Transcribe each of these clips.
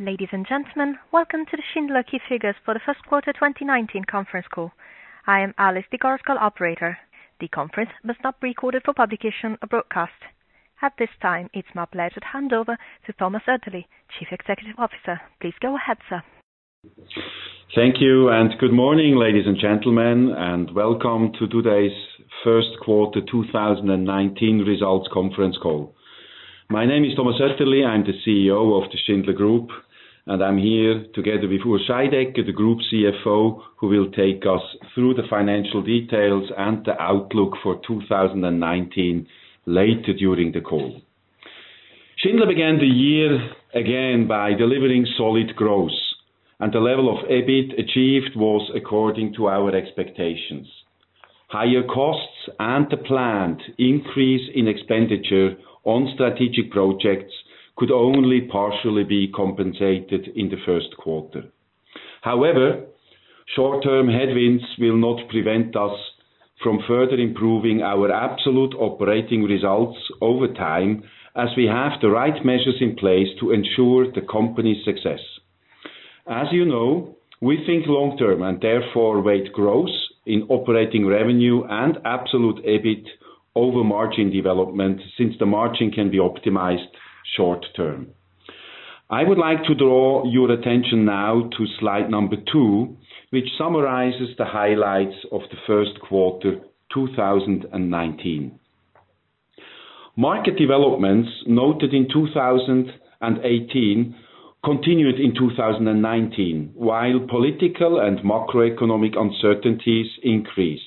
Ladies and gentlemen, welcome to the Schindler Key Figures for the first quarter 2019 conference call. I am Alice, the Garskel operator. The conference must not be recorded for publication or broadcast. At this time, it is my pleasure to hand over to Thomas Oetterli, Chief Executive Officer. Please go ahead, sir. Thank you, and good morning, ladies and gentlemen, and welcome to today's first quarter 2019 results conference call. My name is Thomas Oetterli. I am the Chief Executive Officer of the Schindler Group, and I am here together with Urs Scheidegger, the Group Chief Financial Officer, who will take us through the financial details and the outlook for 2019 later during the call. Schindler began the year again by delivering solid growth, and the level of EBIT achieved was according to our expectations. Higher costs and the planned increase in expenditure on strategic projects could only partially be compensated in the first quarter. However, short-term headwinds will not prevent us from further improving our absolute operating results over time, as we have the right measures in place to ensure the company's success. As you know, we think long-term, and therefore, weight growth in operating revenue and absolute EBIT over margin development, since the margin can be optimized short-term. I would like to draw your attention now to slide number two, which summarizes the highlights of the first quarter 2019. Market developments noted in 2018 continued in 2019, while political and macroeconomic uncertainties increased.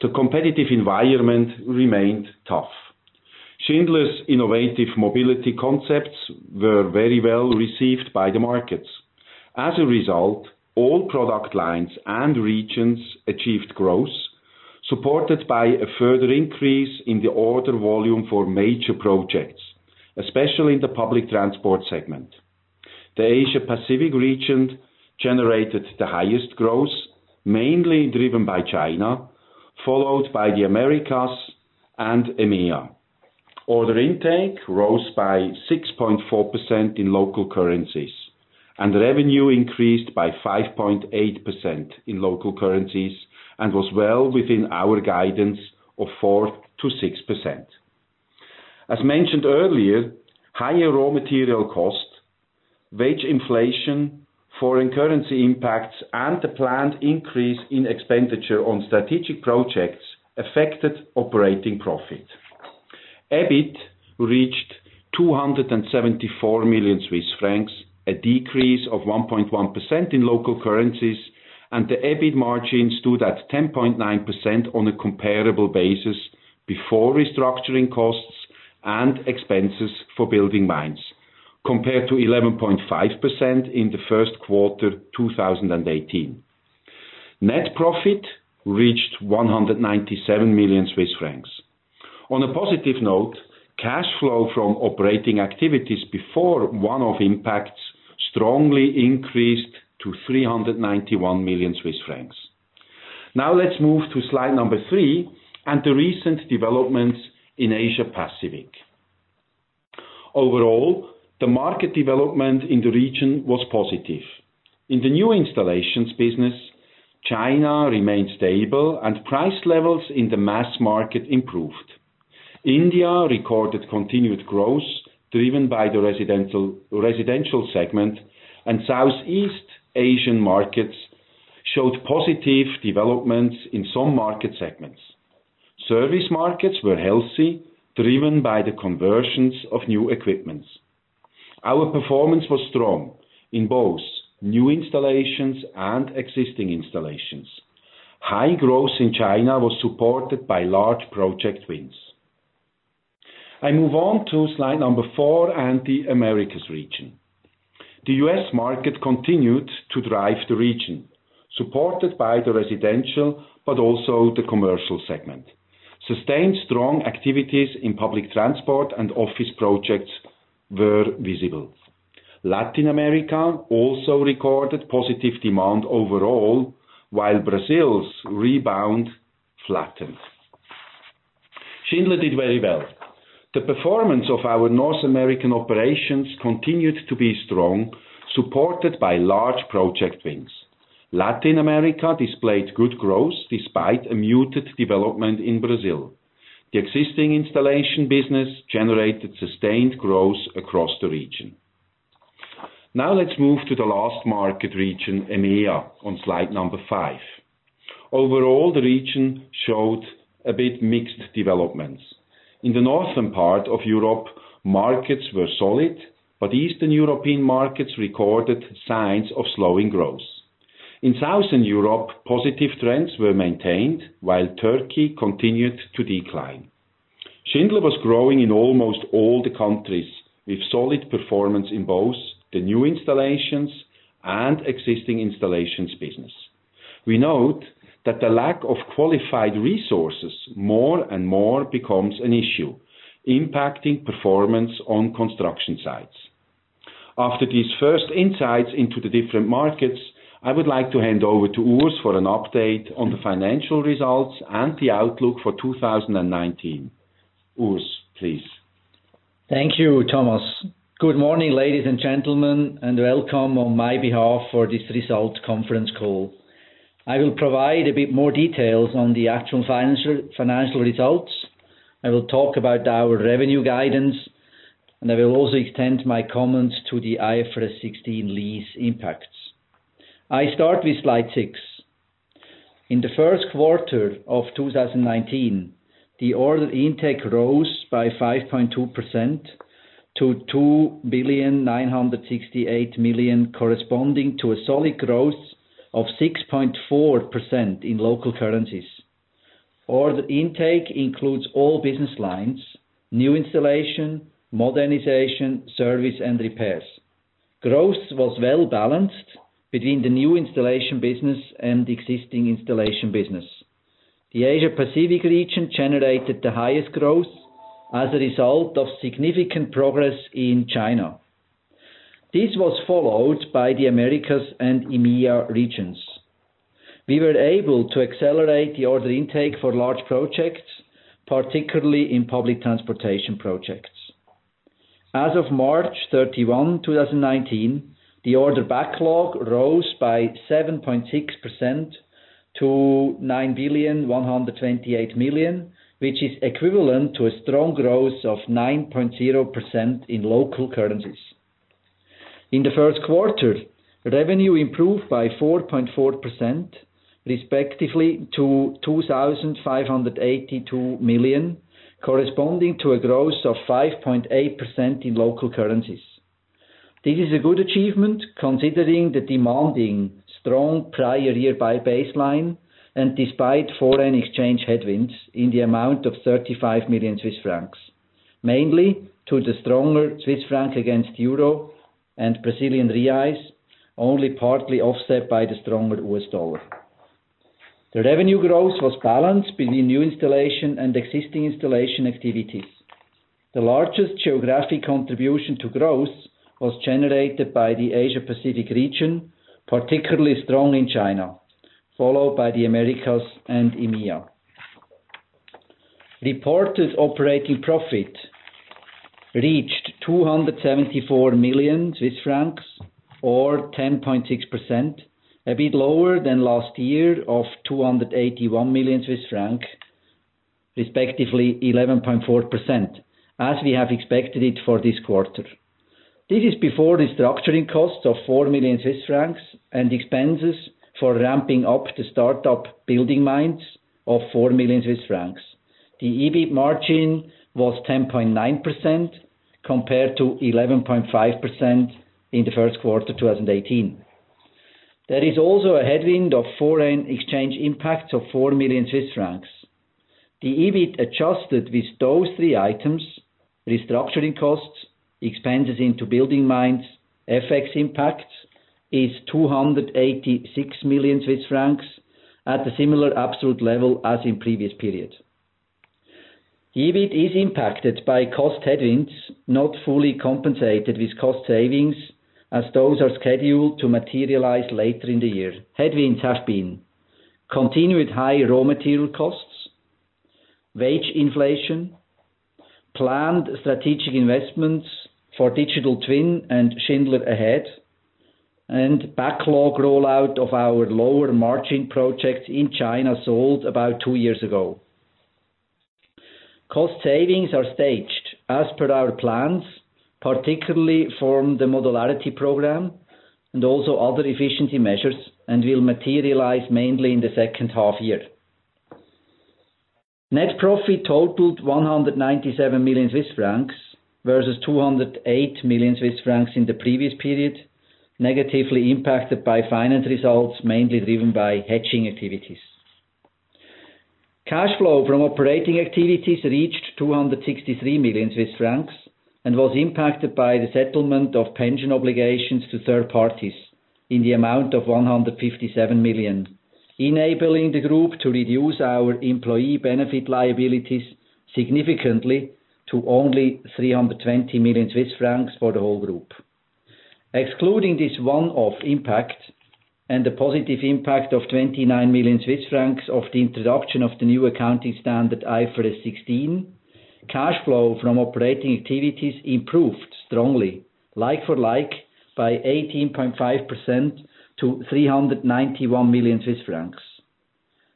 The competitive environment remained tough. Schindler's innovative mobility concepts were very well-received by the markets. As a result, all product lines and regions achieved growth, supported by a further increase in the order volume for major projects, especially in the public transport segment. The Asia Pacific region generated the highest growth, mainly driven by China, followed by the Americas and EMEA. Order intake rose by 6.4% in local currencies, and revenue increased by 5.8% in local currencies and was well within our guidance of 4%-6%. As mentioned earlier, higher raw material cost, wage inflation, foreign currency impacts, and the planned increase in expenditure on strategic projects affected operating profit. EBIT reached 274 million Swiss francs, a decrease of 1.1% in local currencies, and the EBIT margin stood at 10.9% on a comparable basis before restructuring costs and expenses for BuildingMinds, compared to 11.5% in the first quarter 2018. Net profit reached 197 million Swiss francs. On a positive note, cash flow from operating activities before one-off impacts strongly increased to 391 million Swiss francs. Now let's move to slide number three and the recent developments in Asia-Pacific. Overall, the market development in the region was positive. In the new installations business, China remained stable, and price levels in the mass market improved. India recorded continued growth, driven by the residential segment, and Southeast Asian markets showed positive developments in some market segments. Service markets were healthy, driven by the conversions of new equipments. Our performance was strong in both new installations and existing installations. High growth in China was supported by large project wins. I move on to slide number four and the Americas region. The U.S. market continued to drive the region, supported by the residential, but also the commercial segment. Sustained strong activities in public transport and office projects were visible. Latin America also recorded positive demand overall, while Brazil's rebound flattened. Schindler did very well. The performance of our North American operations continued to be strong, supported by large project wins. Latin America displayed good growth despite a muted development in Brazil. The existing installation business generated sustained growth across the region. Let's move to the last market region, EMEA, on slide number five. Overall, the region showed a bit mixed developments. In the Northern part Europe markets were solid but Eastern European markets recorded signs of slowing growth. In southern Europe, positive trends were maintained while Turkey continued to decline. Schindler was growing in almost all the countries with solid performance involved the new installations and existing installations business. We note that the lack of qualified resources more and more becoming an issue, impacting performance on construction sites. After the first insights into the different markets, I would like to hand over to Urs for an update on the financial results and an outlook for 2019. Urs please? Thank you Thomas. Good morning ladies and gentlemen and welcome on my behalf to this financial conference. I will provide a bit more details into the actual financial results, talk about our revenue guidance and also extend my comments into the IFRS 16 impact. I start with slide six. In the first quarter of 2019, the order intake rose by 5.2% to 2,968 million corresponding to a solid growth of 6.4% in local currencies. Order intake includes all business lines, new installation, modernization, service, and repairs. Growth was well-balanced between the new installation business and existing installation business. The Asia-Pacific region generated the highest growth as a result of significant progress in China. This was followed by the Americas and EMEA regions. We were able to accelerate the order intake for large projects, particularly in public transportation projects. As of March 31, 2019, the order backlog rose by 7.6% to 9,128 million which is equivalent to a strong growth of 9.0% in local currencies. In the first quarter, revenue improved by 4.4%, respectively to 2,582 million, corresponding to a growth of 5.8% in local currencies. This is a good achievement considering the demanding strong prior year by baseline and despite foreign exchange headwinds in the amount of 35 million Swiss francs, mainly to the stronger Swiss franc against Euro and Brazilian Real, only partly offset by the stronger U.S. dollar. The revenue growth was balanced between new installation and existing installation activities. The largest geographic contribution to growth was generated by the Asia Pacific region, particularly strong in China, followed by the Americas and EMEA. Reported operating profit reached CHF 274 million, or 10.6%, a bit lower than last year of 281 million Swiss francs, respectively 11.4%, as we have expected it for this quarter. This is before the structuring cost of 4 million Swiss francs and expenses for ramping up the start-up BuildingMinds of 4 million Swiss francs. The EBIT margin was 10.9% compared to 11.5% in the first quarter 2018. There is also a headwind of foreign exchange impacts of 4 million Swiss francs. The EBIT adjusted with those three items, restructuring costs, expenses into BuildingMinds, FX impacts, is 286 million Swiss francs at a similar absolute level as in previous periods. EBIT is impacted by cost headwinds, not fully compensated with cost savings, as those are scheduled to materialize later in the year. Headwinds have been continued high raw material costs, wage inflation, planned strategic investments for Digital Twin and Schindler Ahead, and backlog rollout of our lower margin projects in China sold about two years ago. Cost savings are staged as per our plans, particularly from the modularity program and also other efficiency measures, and will materialize mainly in the second half year. Net profit totaled 197 million Swiss francs versus 208 million Swiss francs in the previous period, negatively impacted by finance results, mainly driven by hedging activities. Cash flow from operating activities reached 263 million Swiss francs and was impacted by the settlement of pension obligations to third parties in the amount of 157 million, enabling the group to reduce our employee benefit liabilities significantly to only 320 million Swiss francs for the whole group. Excluding this one-off impact and the positive impact of 29 million Swiss francs of the introduction of the new accounting standard, IFRS 16, cash flow from operating activities improved strongly like for like by 18.5% to 391 million Swiss francs.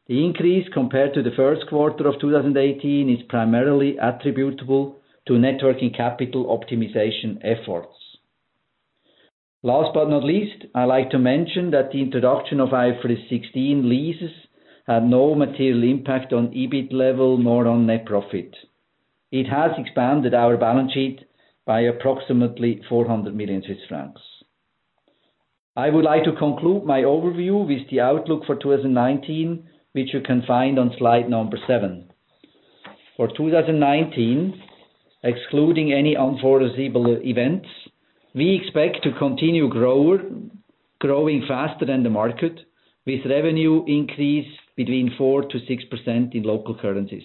The increase compared to the first quarter of 2018 is primarily attributable to networking capital optimization efforts. Last but not least, I like to mention that the introduction of IFRS 16 leases had no material impact on EBIT level nor on net profit. It has expanded our balance sheet by approximately 400 million Swiss francs. I would like to conclude my overview with the outlook for 2019, which you can find on slide number seven. For 2019, excluding any unforeseeable events, we expect to continue growing faster than the market, with revenue increase between 4%-6% in local currencies.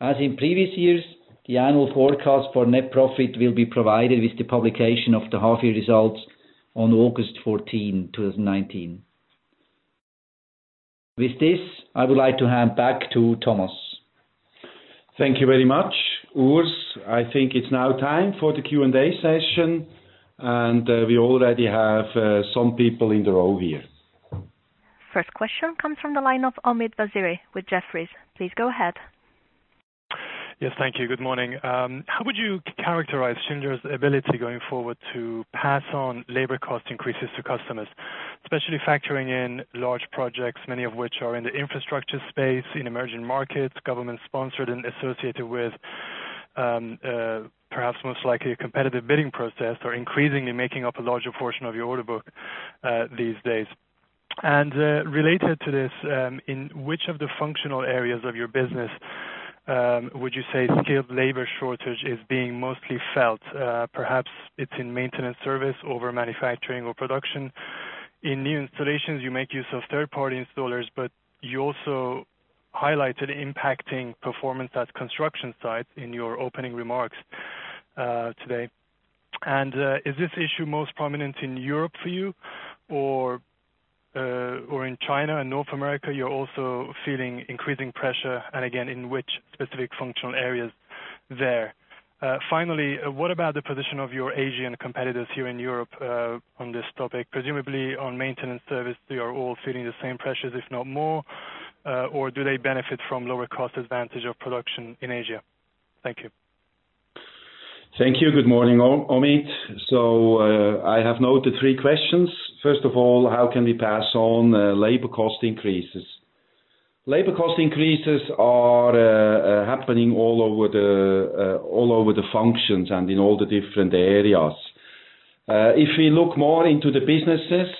As in previous years, the annual forecast for net profit will be provided with the publication of the half-year results on August 14, 2019. With this, I would like to hand back to Thomas. Thank you very much, Urs. I think it's now time for the Q&A session. We already have some people in the row here. First question comes from the line of Omid Vaziri with Jefferies, please go ahead. Yes, thank you. Good morning? How would you characterize Schindler's ability going forward to pass on labor cost increases to customers, especially factoring in large projects, many of which are in the infrastructure space, in emerging markets, government-sponsored and associated with perhaps most likely a competitive bidding process, are increasingly making up a larger portion of your order book these days. Related to this, in which of the functional areas of your business would you say skilled labor shortage is being mostly felt? Perhaps it's in maintenance service over manufacturing or production. In new installations, you make use of third-party installers, you also highlighted impacting performance at construction sites in your opening remarks today. Is this issue most prominent in Europe for you or in China and North America? You are also feeling increasing pressure and again, in which specific functional areas there? Finally, what about the position of your Asian competitors here in Europe on this topic? Presumably on maintenance service, they are all feeling the same pressures, if not more, or do they benefit from lower cost advantage of production in Asia? Thank you. Thank you. Good morning, Omid. I have noted three questions. First of all, how can we pass on labor cost increases? Labor cost increases are happening all over the functions and in all the different areas. If we look more into the businesses,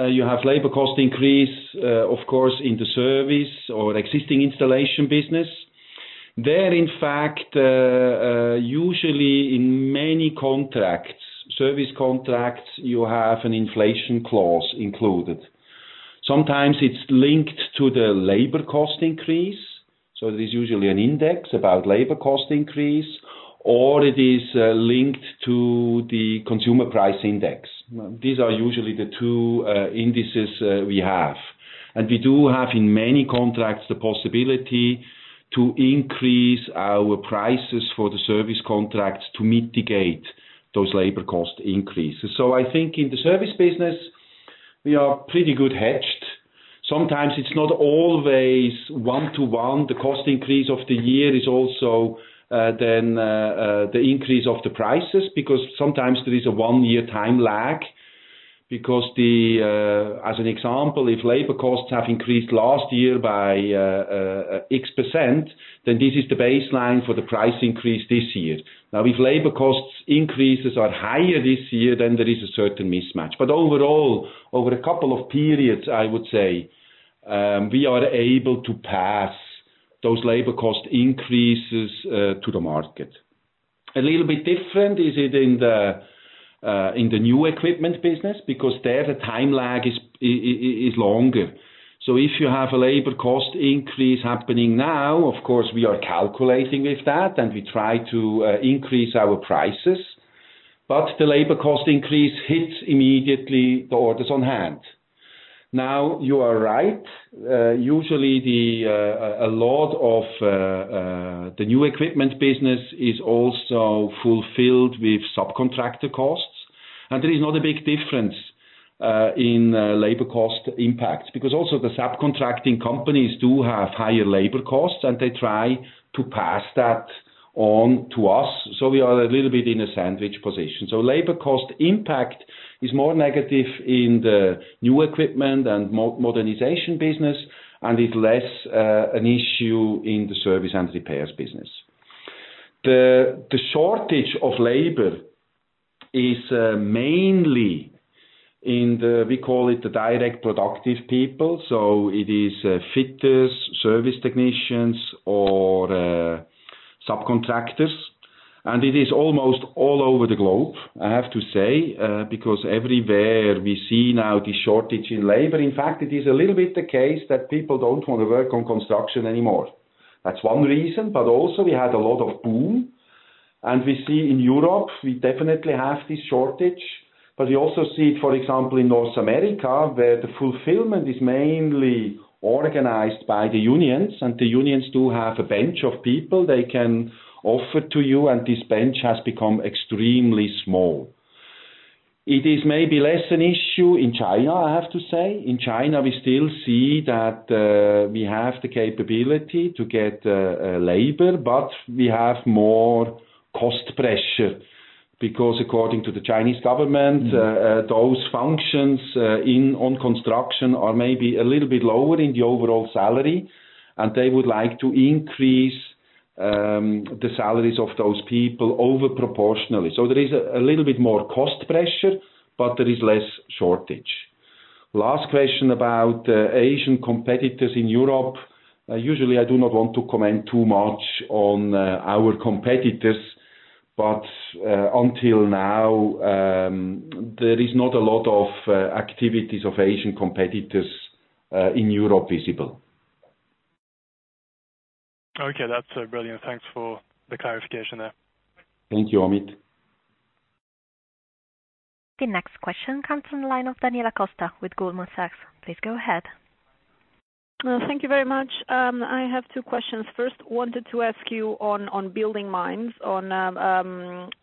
you have labor cost increase, of course, in the service or existing installation business. There, in fact, usually in many contracts, service contracts, you have an inflation clause included. Sometimes it's linked to the labor cost increase. It is usually an index about labor cost increase, or it is linked to the consumer price index. These are usually the two indices we have. We do have in many contracts the possibility to increase our prices for the service contracts to mitigate those labor cost increases. I think in the service business, we are pretty good hedged. Sometimes it's not always one-to-one. The cost increase of the year is also then the increase of the prices, because sometimes there is a one-year time lag. Because as an example, if labor costs have increased last year by X%, then this is the baseline for the price increase this year. Now, if labor cost increases are higher this year, then there is a certain mismatch. Overall, over a couple of periods, I would say, we are able to pass those labor cost increases to the market. A little bit different is it in the new equipment business because there the time lag is longer. If you have a labor cost increase happening now, of course, we are calculating with that, and we try to increase our prices. The labor cost increase hits immediately the orders on hand. Now you are right. Usually a lot of the new equipment business is also fulfilled with subcontractor costs, and there is not a big difference in labor cost impact, because also the subcontracting companies do have higher labor costs, and they try to pass that on to us. We are a little bit in a sandwich position. Labor cost impact is more negative in the new equipment and modernization business, and is less an issue in the service and repairs business. The shortage of labor is mainly in the, we call it the direct productive people. It is fitters, service technicians, or subcontractors. It is almost all over the globe, I have to say, because everywhere we see now the shortage in labor. In fact, it is a little bit the case that people don't want to work on construction anymore. That's one reason. Also we had a lot of boom, and we see in Europe, we definitely have this shortage. We also see it, for example, in North America, where the fulfillment is mainly organized by the unions, and the unions do have a bench of people they can offer to you, and this bench has become extremely small. It is maybe less an issue in China, I have to say. In China, we still see that we have the capability to get labor, but we have more cost pressure because according to the Chinese government, those functions on construction are maybe a little bit lower in the overall salary, and they would like to increase the salaries of those people over proportionally. There is a little bit more cost pressure, but there is less shortage. Last question about Asian competitors in Europe. Usually, I do not want to comment too much on our competitors. Until now, there is not a lot of activities of Asian competitors in Europe visible. Okay, that's brilliant. Thanks for the clarification there. Thank you, Omid. The next question comes from the line of Daniela Costa with Goldman Sachs, please go ahead. Well, thank you very much. I have two questions. First, wanted to ask you on BuildingMinds on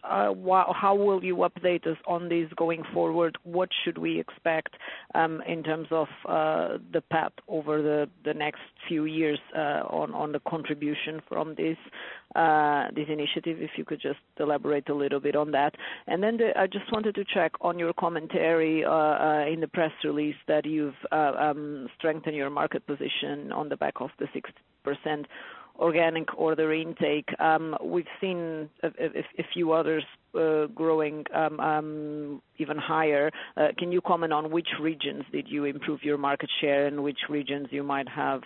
how will you update us on this going forward? What should we expect, in terms of the path over the next few years, on the contribution from this initiative? If you could just elaborate a little bit on that. I just wanted to check on your commentary, in the press release that you've strengthened your market position on the back of the 6% organic order intake. We've seen a few others growing even higher. Can you comment on which regions did you improve your market share? Which regions you might have.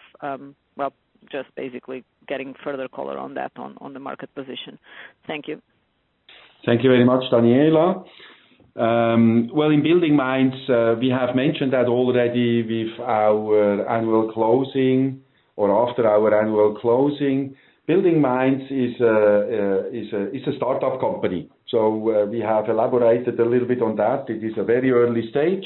Well, just basically getting further color on that on the market position. Thank you. Thank you very much, Daniela. Well, in BuildingMinds, we have mentioned that already with our annual closing or after our annual closing. BuildingMinds is a startup company. We have elaborated a little bit on that. It is a very early stage.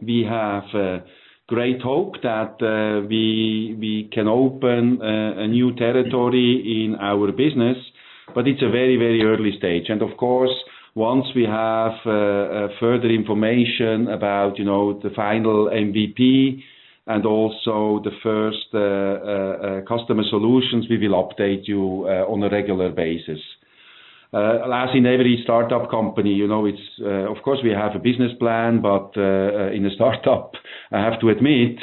We have great hope that we can open a new territory in our business, but it's a very early stage. Of course, once we have further information about the final MVP and also the first customer solutions, we will update you on a regular basis. As in every startup company, of course, we have a business plan, but in a startup I have to admit,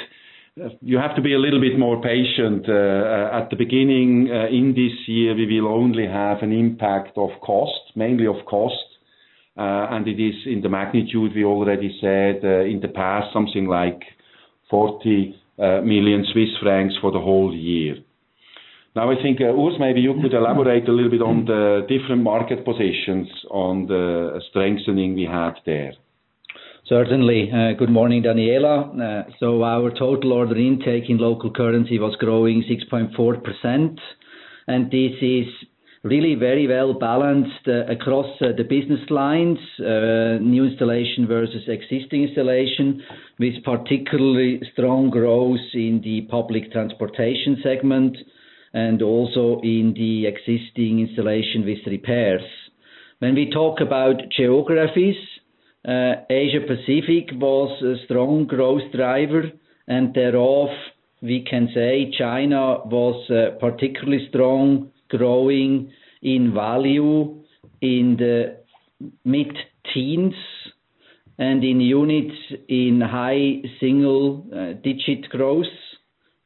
you have to be a little bit more patient. At the beginning, in this year, we will only have an impact of cost, mainly of cost. It is in the magnitude we already said, in the past, something like 40 million Swiss francs for the whole year. Now I think, Urs, maybe you could elaborate a little bit on the different market positions on the strengthening we had there. Certainly. Good morning, Daniela. Our total order intake in local currency was growing 6.4%, and this is really very well-balanced across the business lines. New installation versus existing installation, with particularly strong growth in the public transportation segment, and also in the existing installation with repairs. When we talk about geographies, Asia Pacific was a strong growth driver, and thereof, we can say China was particularly strong, growing in value in the mid-teens and in units in high single digit growth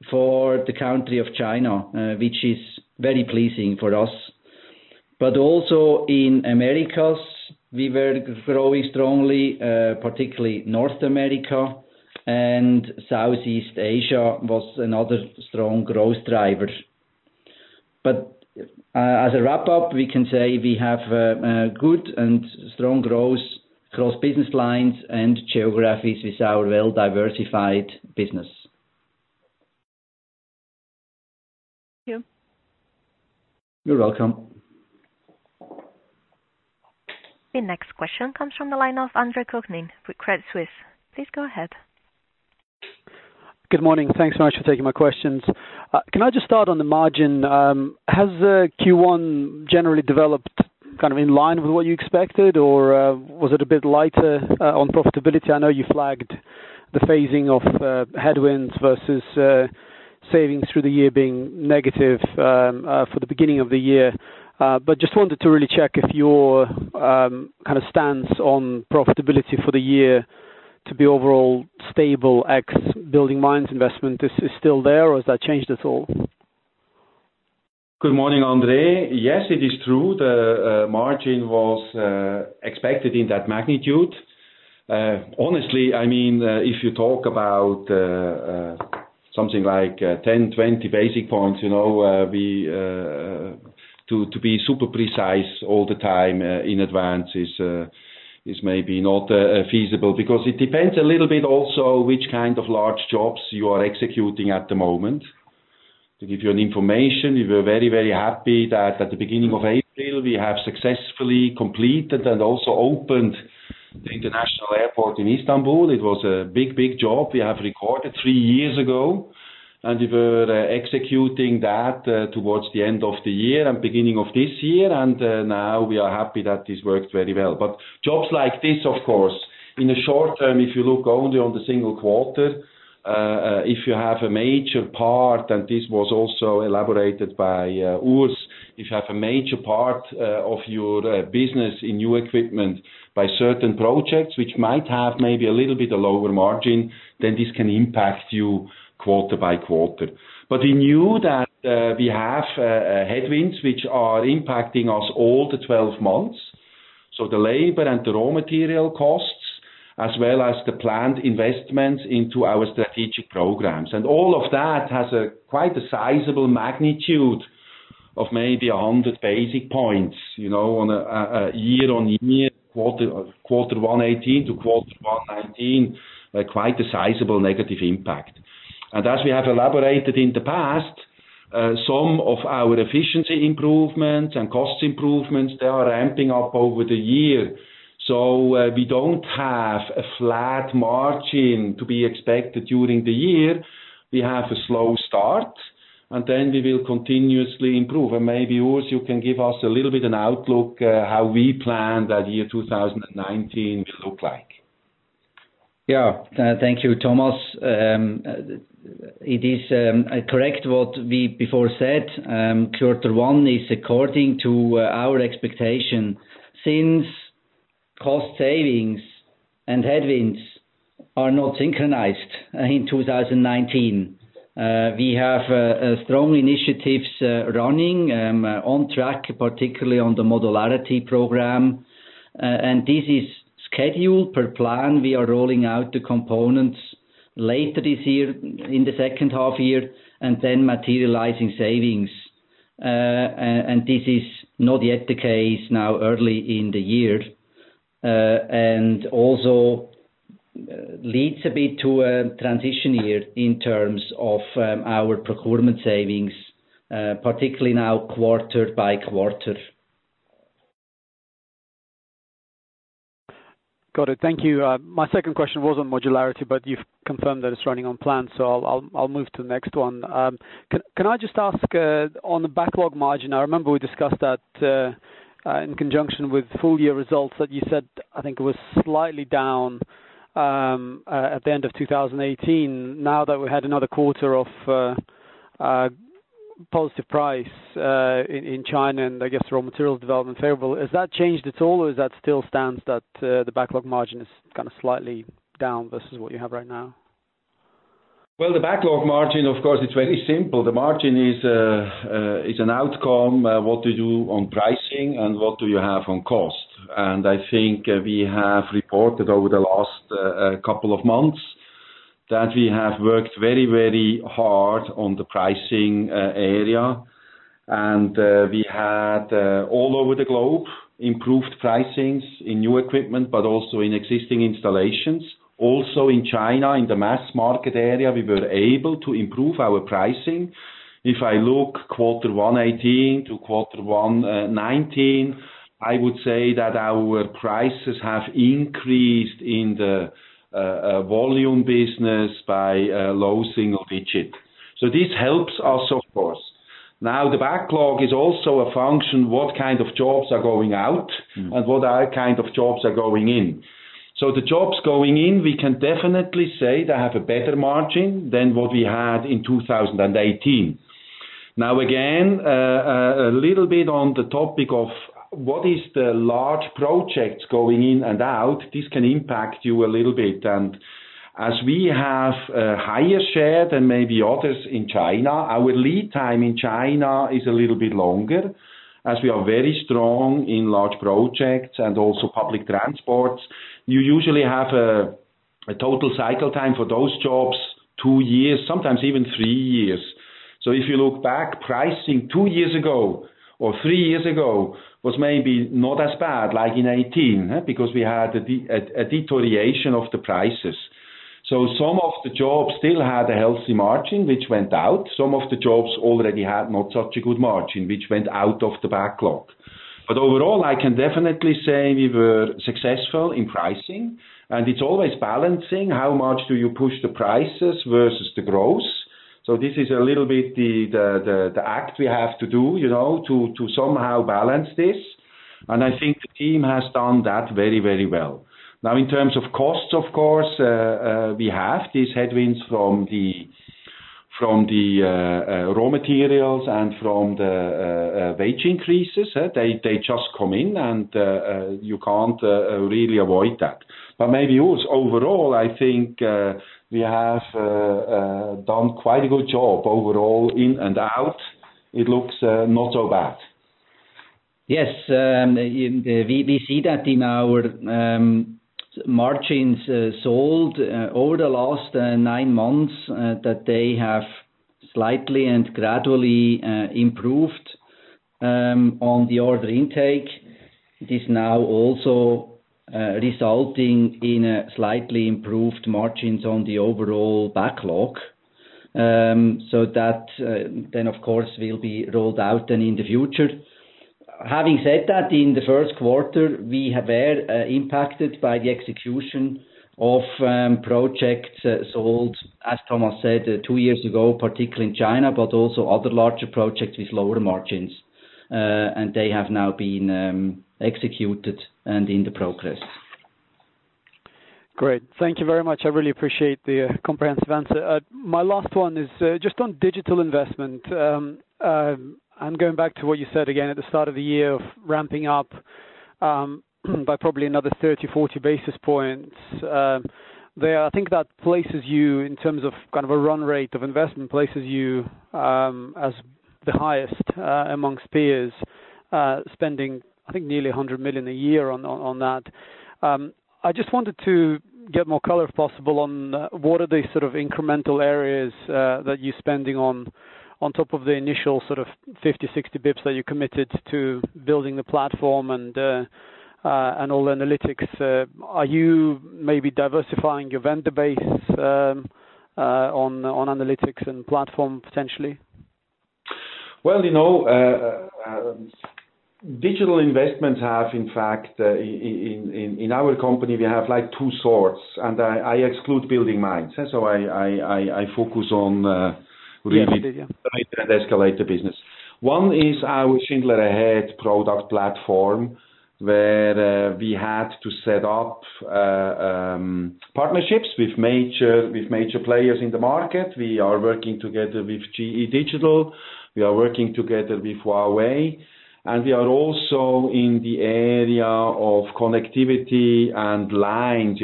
for the country of China, which is very pleasing for us. In Americas, we were growing strongly, particularly North America, and Southeast Asia was another strong growth driver. As a wrap-up, we can say we have good and strong growth across business lines and geographies with our well-diversified business. Thank you. You're welcome. The next question comes from the line of Andre Kukhnin with Credit Suisse, please go ahead. Good morning? Thanks so much for taking my questions. Can I just start on the margin? Has Q1 generally developed in line with what you expected, or was it a bit lighter on profitability? I know you flagged the phasing of headwinds versus savings through the year being negative for the beginning of the year. Just wanted to really check if your stance on profitability for the year to be overall stable ex BuildingMinds investment is still there or has that changed at all? Good morning, Andre. Yes, it is true. The margin was expected in that magnitude. Honestly, if you talk about something like 10 basis points, 20 basis points, to be super precise all the time in advance is maybe not feasible because it depends a little bit also which kind of large jobs you are executing at the moment. To give you an information, we were very happy that at the beginning of April, we have successfully completed and also opened the international airport in Istanbul. It was a big job we have recorded three years ago, and we were executing that towards the end of the year and beginning of this year. Now we are happy that this worked very well. Jobs like this, of course, in the short term, if you look only on the single quarter, if you have a major part, and this was also elaborated by Urs. If you have a major part of your business in new equipment by certain projects, which might have maybe a little bit a lower margin, then this can impact you quarter by quarter. We knew that we have headwinds which are impacting us all the 12 months. The labor and the raw material costs, as well as the planned investments into our strategic programs. All of that has quite a sizable magnitude of maybe 100 basis points on a year-on-year, quarter 118-quarter 119, quite a sizable negative impact. As we have elaborated in the past, some of our efficiency improvements and cost improvements, they are ramping up over the year. We don't have a flat margin to be expected during the year. We have a slow start, and then we will continuously improve. Maybe, Urs, you can give us a little bit an outlook how we plan that year 2019 will look like. Yeah. Thank you, Thomas. It is correct what we before said. Quarter one is according to our expectation, since cost savings and headwinds are not synchronized in 2019. We have strong initiatives running, on track, particularly on the Modularity Program. This is scheduled per plan. We are rolling out the components later this year, in the second half year, and then materializing savings. This is not yet the case now early in the year. Also leads a bit to a transition year in terms of our procurement savings, particularly now quarter by quarter. Got it. Thank you. My second question was on modularity, you have confirmed that it is running on plan. I will move to the next one. Can I just ask, on the backlog margin, I remember we discussed that, in conjunction with full year results that you said, I think it was slightly down at the end of 2018. Now that we had another quarter of positive price, in China, and I guess raw material development favorable. Has that changed at all, or is that still stands that the backlog margin is kind of slightly down versus what you have right now? Well, the backlog margin, of course, it is very simple. The margin is an outcome, what to do on pricing and what do you have on cost. I think we have reported over the last couple of months that we have worked very hard on the pricing area. We had, all over the globe, improved pricings in new equipment, but also in existing installations. Also in China, in the mass market area, we were able to improve our pricing. If I look quarter one 2018 to quarter one 2019, I would say that our prices have increased in the volume business by a low single digit. This helps us, of course. Now, the backlog is also a function, what kind of jobs are going out and what other kind of jobs are going in. The jobs going in, we can definitely say they have a better margin than what we had in 2018. Now again, a little bit on the topic of what is the large projects going in and out, this can impact you a little bit. As we have a higher share than maybe others in China, our lead time in China is a little bit longer, as we are very strong in large projects and also public transports. You usually have a total cycle time for those jobs, two years, sometimes even three years. If you look back, pricing two years ago or three years ago was maybe not as bad like in 2018, because we had a deterioration of the prices. Some of the jobs still had a healthy margin, which went out. Some of the jobs already had not such a good margin, which went out of the backlog. Overall, I can definitely say we were successful in pricing, and it is always balancing how much do you push the prices versus the growth. This is a little bit the act we have to do, to somehow balance this. I think the team has done that very well. Now, in terms of costs, of course, we have these headwinds from the raw materials and from the wage increases. They just come in and you cannot really avoid that. Maybe, Urs, overall, I think we have done quite a good job overall in and out. It looks not so bad. Yes. We see that in our margins sold over the last nine months, that they have slightly and gradually improved, on the order intake. It is now also resulting in slightly improved margins on the overall backlog. That, of course, will be rolled out then in the future. Having said that, in the first quarter, we were impacted by the execution of projects sold, as Thomas said, two years ago, particularly in China, but also other larger projects with lower margins. They have now been executed and in the progress. Great. Thank you very much. I really appreciate the comprehensive answer. My last one is just on digital investment. I'm going back to what you said again at the start of the year of ramping up by probably another 30 basis points, 40 basis points. I think that places you, in terms of kind of a run rate of investment, places you as the highest amongst peers spending, I think, nearly 100 million a year on that. I just wanted to get more color, if possible, on what are the sort of incremental areas that you're spending on top of the initial sort of 50 basis points, 60 basis points that you committed to building the platform and all analytics. Are you maybe diversifying your vendor base on analytics and platform potentially? Well, digital investments have, in fact, in our company, we have two sorts, and I exclude BuildingMinds. I focus on really the escalator business. One is our Schindler Ahead product platform, where we had to set up partnerships with major players in the market. We are working together with GE Digital. We are working together with Huawei. We are also in the area of connectivity and lines,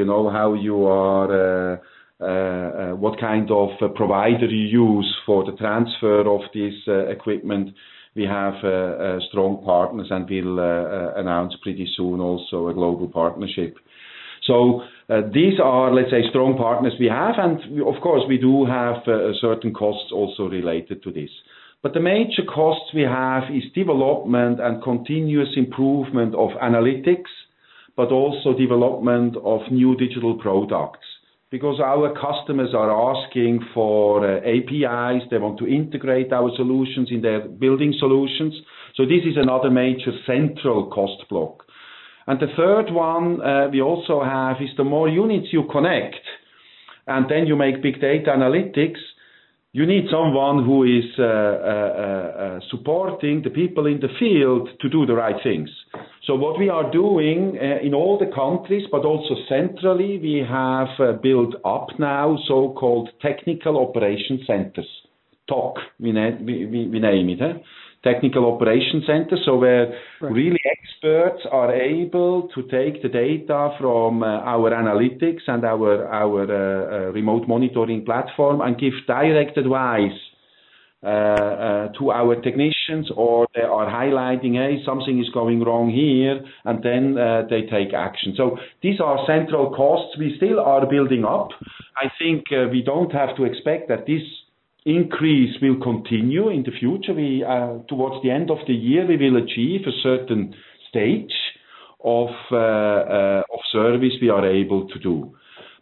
what kind of provider you use for the transfer of this equipment. We have strong partners, and we'll announce pretty soon also a global partnership. These are, let's say, strong partners we have, and of course, we do have certain costs also related to this. The major costs we have is development and continuous improvement of analytics, but also development of new digital products because our customers are asking for APIs. They want to integrate our solutions in their building solutions. This is another major central cost block. The third one we also have is the more units you connect, then you make big data analytics, you need someone who is supporting the people in the field to do the right things. What we are doing in all the countries, but also centrally, we have built up now so-called Technical Operation Centers, TOC, we name it. Technical Operation Center, where really experts are able to take the data from our analytics and our remote monitoring platform and give direct advice to our technicians, or they are highlighting, hey, something is going wrong here, and then they take action. These are central costs we still are building up. I think we don't have to expect that this increase will continue in the future. Towards the end of the year, we will achieve a certain stage of service we are able to do.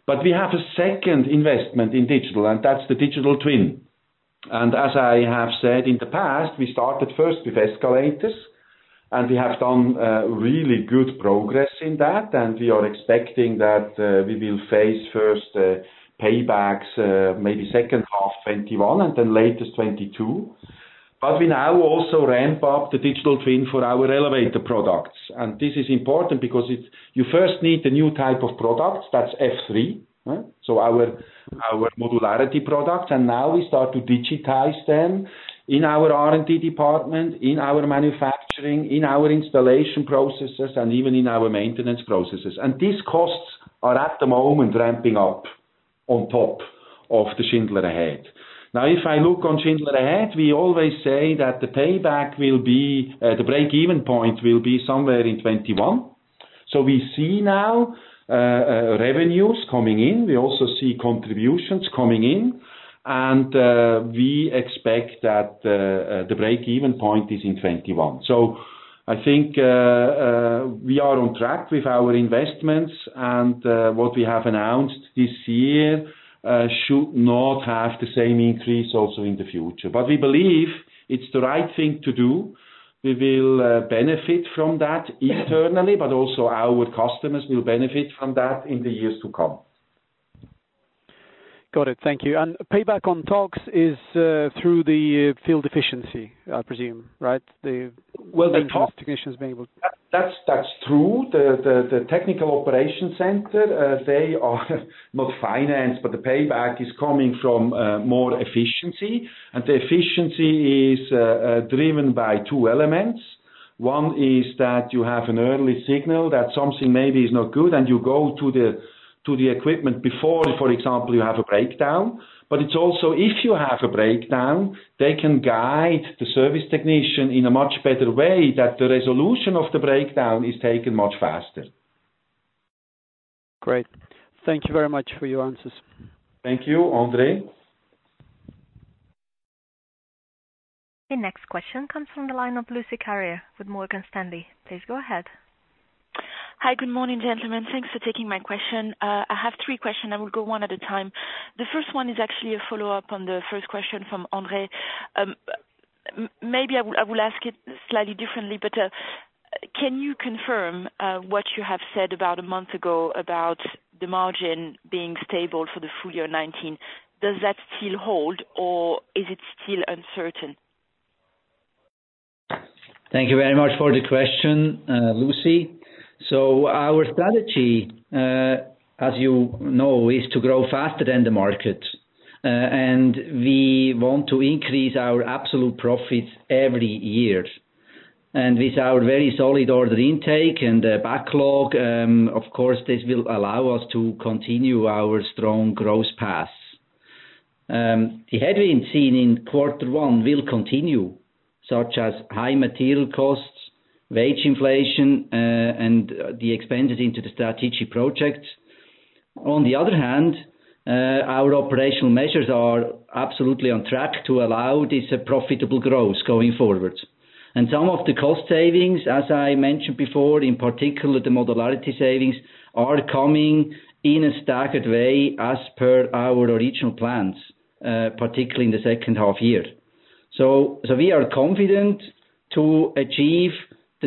We have a second investment in digital, and that's the Digital Twin. As I have said in the past, we started first with escalators, and we have done really good progress in that, and we are expecting that we will face first paybacks maybe second half 2021 and then latest 2022. We now also ramp up the Digital Twin for our elevator products. This is important because you first need the new type of products, that's F3. Our modularity product, and now we start to digitize them in our R&D department, in our manufacturing, in our installation processes, and even in our maintenance processes. These costs are at the moment ramping up on top of the Schindler Ahead. If I look on Schindler Ahead, we always say that the payback, the break-even point will be somewhere in 2021. We see now revenues coming in. We also see contributions coming in. We expect that the break-even point is in 2021. I think we are on track with our investments, and what we have announced this year should not have the same increase also in the future. We believe it's the right thing to do. We will benefit from that internally, but also our customers will benefit from that in the years to come. Got it. Thank you. Payback on TOCs is through the field efficiency, I presume, right? Well, the TOC- Technicians being able to- That's true. The Technical Operation Center, they are not financed, but the payback is coming from more efficiency, and the efficiency is driven by two elements. One is that you have an early signal that something maybe is not good, and you go to the equipment before, for example, you have a breakdown. It's also if you have a breakdown, they can guide the service technician in a much better way that the resolution of the breakdown is taken much faster. Great. Thank you very much for your answers. Thank you, Andre. The next question comes from the line of Lucie Carrier with Morgan Stanley, please go ahead. Hi. Good morning gentlemen? Thanks for taking my question. I have three questions. I will go one at a time. The first one is actually a follow-up on the first question from Andre. Maybe i'll ask it a little bit better. Can you confirm what you have said about a month ago about the margin being stable for the full year 2019? Does that still hold, or is it still uncertain? Thank you very much for the question, Lucie. Our strategy, as you know, is to grow faster than the market. We want to increase our absolute profits every year. With our very solid order intake and backlog, of course, this will allow us to continue our strong growth path. The headwind seen in quarter one will continue, such as high material costs, wage inflation, and the expenses into the strategic projects. On the other hand, our operational measures are absolutely on track to allow this profitable growth going forward. Some of the cost savings, as I mentioned before, in particular, the modularity savings, are coming in a staggered way as per our original plans, particularly in the second half-year. We are confident to achieve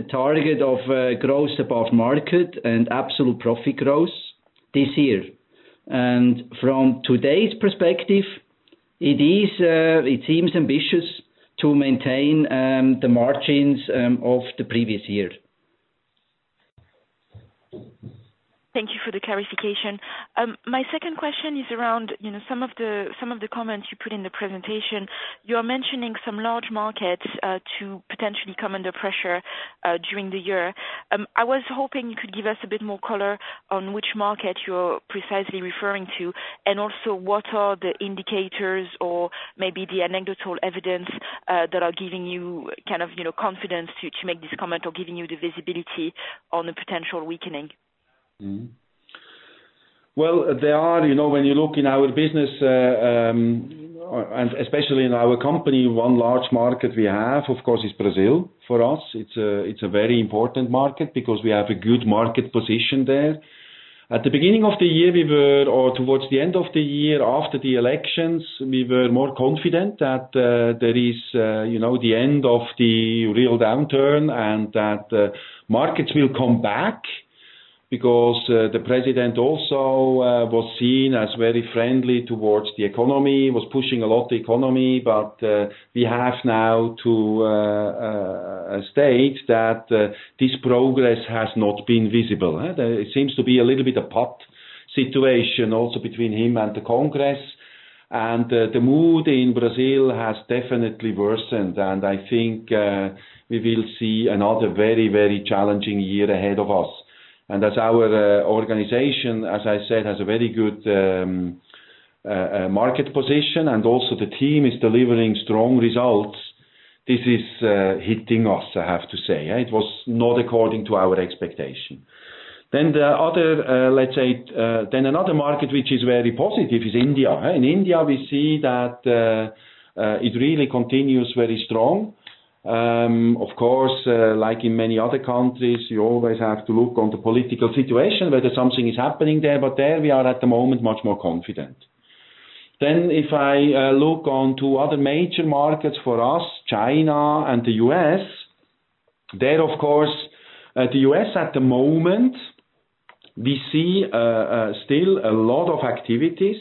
the target of growth above market and absolute profit growth this year. From today's perspective, it seems ambitious to maintain the margins of the previous year. Thank you for the clarification. My second question is around some of the comments you put in the presentation. You're mentioning some large markets to potentially come under pressure during the year. I was hoping you could give us a bit more color on which market you're precisely referring to, and also what are the indicators or maybe the anecdotal evidence that are giving you confidence to make this comment or giving you the visibility on the potential weakening? Well, when you look in our business, and especially in our company, one large market we have, of course, is Brazil. For us, it's a very important market because we have a good market position there. At the beginning of the year, or towards the end of the year after the elections, we were more confident that there is the end of the Real downturn and that markets will come back because the president also was seen as very friendly towards the economy, was pushing a lot the economy. We have now to state that this progress has not been visible. It seems to be a little bit a pot situation also between him and the Congress. The mood in Brazil has definitely worsened, and I think we will see another very challenging year ahead of us. As our organization, as I said, has a very good market position and also the team is delivering strong results, this is hitting us, I have to say. It was not according to our expectation. Another market which is very positive is India. In India, we see that it really continues very strong. Of course, like in many other countries, you always have to look on the political situation, whether something is happening there, but there we are, at the moment, much more confident. If I look onto other major markets for us, China and the U.S., there, of course, the U.S. at the moment, we see still a lot of activities,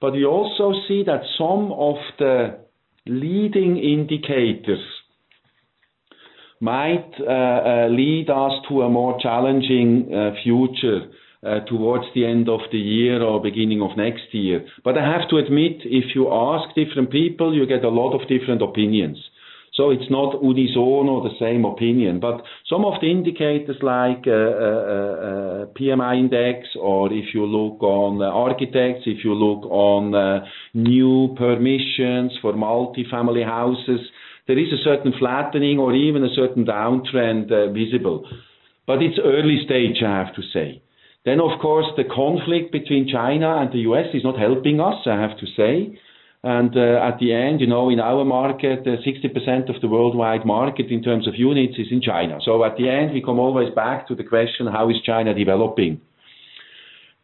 but we also see that some of the leading indicators might lead us to a more challenging future towards the end of the year or beginning of next year. I have to admit, if you ask different people, you get a lot of different opinions. It's not unison or the same opinion. Some of the indicators like PMI index or if you look on architects, if you look on new permissions for multifamily houses, there is a certain flattening or even a certain downtrend visible. It's early stage, I have to say. Of course, the conflict between China and the U.S. is not helping us, I have to say. At the end, in our market, 60% of the worldwide market in terms of units is in China. At the end, we come always back to the question, how is China developing?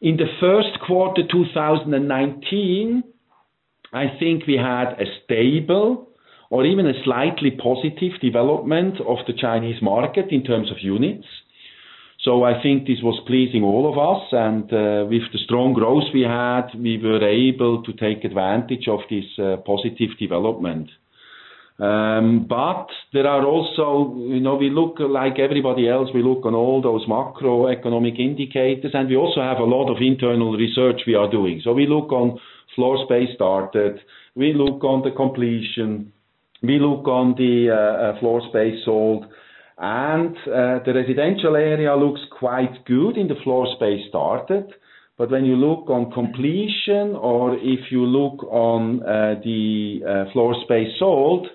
In the first quarter 2019, I think we had a stable or even a slightly positive development of the Chinese market in terms of units. I think this was pleasing all of us, and with the strong growth we had, we were able to take advantage of this positive development. Like everybody else, we look on all those macroeconomic indicators, and we also have a lot of internal research we are doing. We look on floor space started, we look on the completion, we look on the floor space sold, and the residential area looks quite good in the floor space started. When you look on completion or if you look on the floor space sold,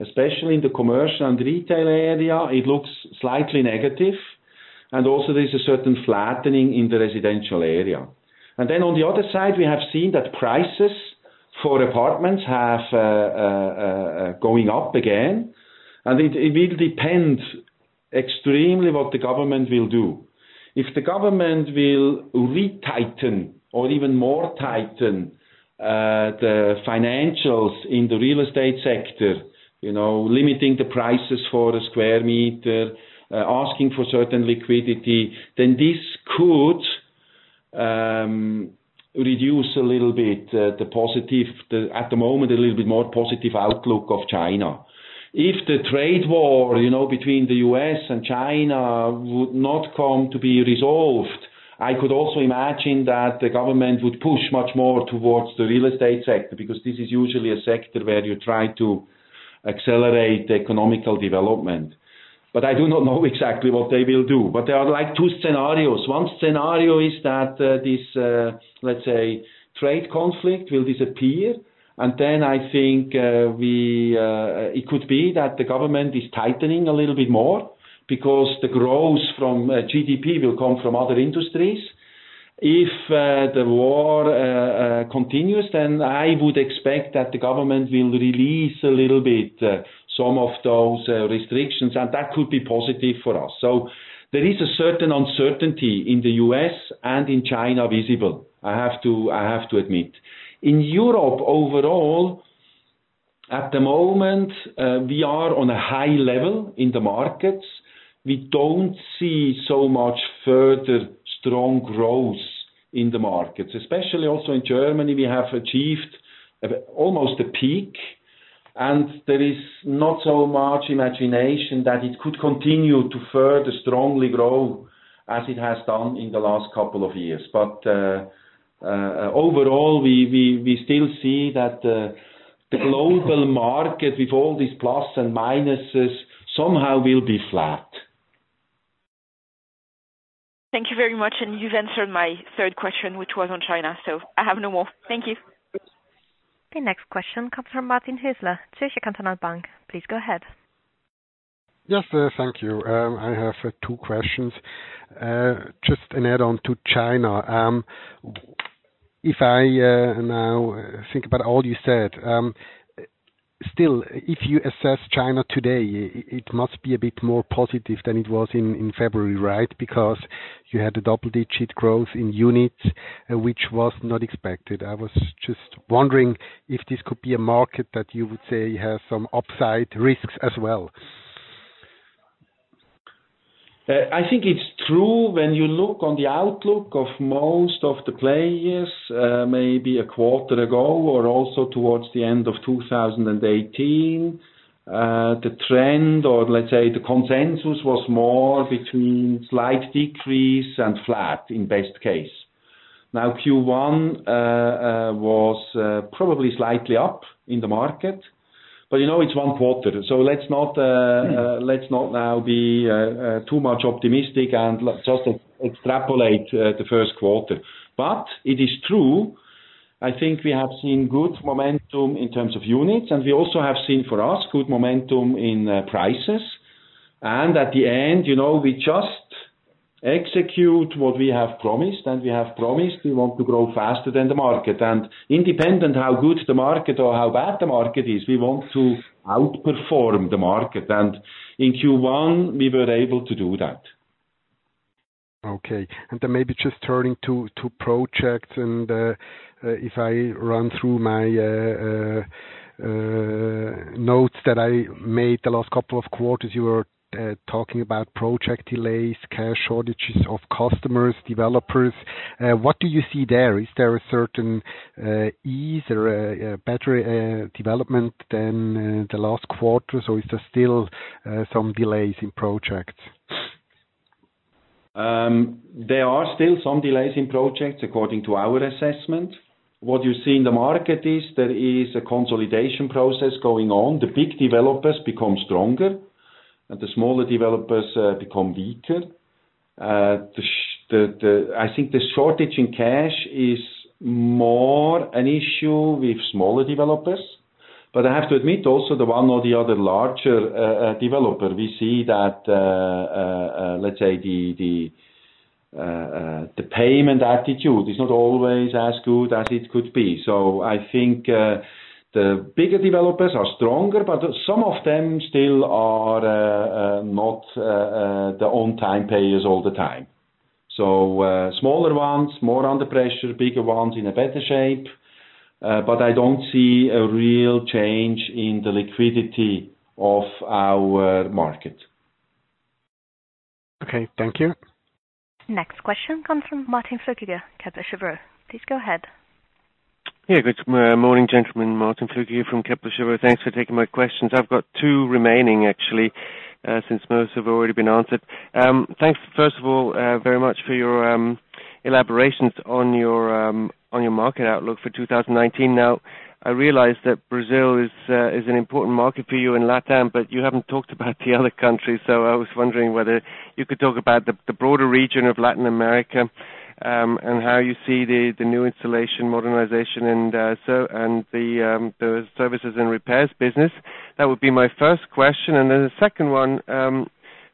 especially in the commercial and retail area, it looks slightly negative. Also there's a certain flattening in the residential area. On the other side, we have seen that prices for apartments have going up again, and it will depend extremely what the government will do. If the government will retighten or even more tighten the financials in the real estate sector, limiting the prices for a square meter, asking for certain liquidity, then this could reduce a little bit the more positive outlook of China. If the trade war between the U.S. and China would not come to be resolved. I could also imagine that the government would push much more towards the real estate sector, because this is usually a sector where you try to accelerate economical development. I do not know exactly what they will do. There are two scenarios. One scenario is that this, let's say, trade conflict will disappear, I think it could be that the government is tightening a little bit more because the growth from GDP will come from other industries. If the war continues, I would expect that the government will release a little bit some of those restrictions, and that could be positive for us. There is a certain uncertainty in the U.S. and in China visible, I have to admit. In Europe overall, at the moment, we are on a high level in the markets. We don't see so much further strong growth in the markets. Especially also in Germany, we have achieved almost a peak, and there is not so much imagination that it could continue to further strongly grow as it has done in the last couple of years. Overall, we still see that the global market, with all these plus and minuses, somehow will be flat. Thank you very much. You've answered my third question, which was on China, I have no more. Thank you. The next question comes from Martin Hüsler, Zürcher Kantonalbank, please go ahead. Yes, thank you. I have two questions. Just an add-on to China. I now think about all you said, still, if you assess China today, it must be a bit more positive than it was in February, right? You had a double-digit growth in units, which was not expected. I was just wondering if this could be a market that you would say has some upside risks as well. I think it's true when you look on the outlook of most of the players, maybe a quarter ago or also towards the end of 2018, the trend, or let's say the consensus, was more between slight decrease and flat in best case. Q1 was probably slightly up in the market. You know it's one quarter, so let's not now be too much optimistic and just extrapolate the first quarter. It is true, I think we have seen good momentum in terms of units, and we also have seen for us good momentum in prices. At the end, we just execute what we have promised, and we have promised we want to grow faster than the market. Independent how good the market or how bad the market is, we want to outperform the market. In Q1, we were able to do that. Okay. Maybe just turning to projects, if I run through my notes that I made the last couple of quarters, you were talking about project delays, cash shortages of customers, developers. What do you see there? Is there a certain ease or a better development than the last quarter, or is there still some delays in projects? There are still some delays in projects according to our assessment. What you see in the market is there is a consolidation process going on. The big developers become stronger, and the smaller developers become weaker. I think the shortage in cash is more an issue with smaller developers. I have to admit also the one or the other larger developer, we see that, let's say, the payment attitude is not always as good as it could be. I think the bigger developers are stronger, but some of them still are not the on-time payers all the time. Smaller ones, more under pressure; bigger ones in a better shape. I don't see a real change in the liquidity of our market. Okay, thank you. Next question comes from Martin Flueckiger, Kepler Cheuvreux, please go ahead. Yeah, good morning, gentlemen? Martin Flueckiger from Kepler Cheuvreux. Thanks for taking my questions. I've got two remaining, actually, since most have already been answered. Thanks, first of all, very much for your elaborations on your market outlook for 2019. I realize that Brazil is an important market for you in Latin, but you haven't talked about the other countries. I was wondering whether you could talk about the broader region of Latin America, and how you see the new installation, modernization, and the services and repairs business. That would be my first question. The second one,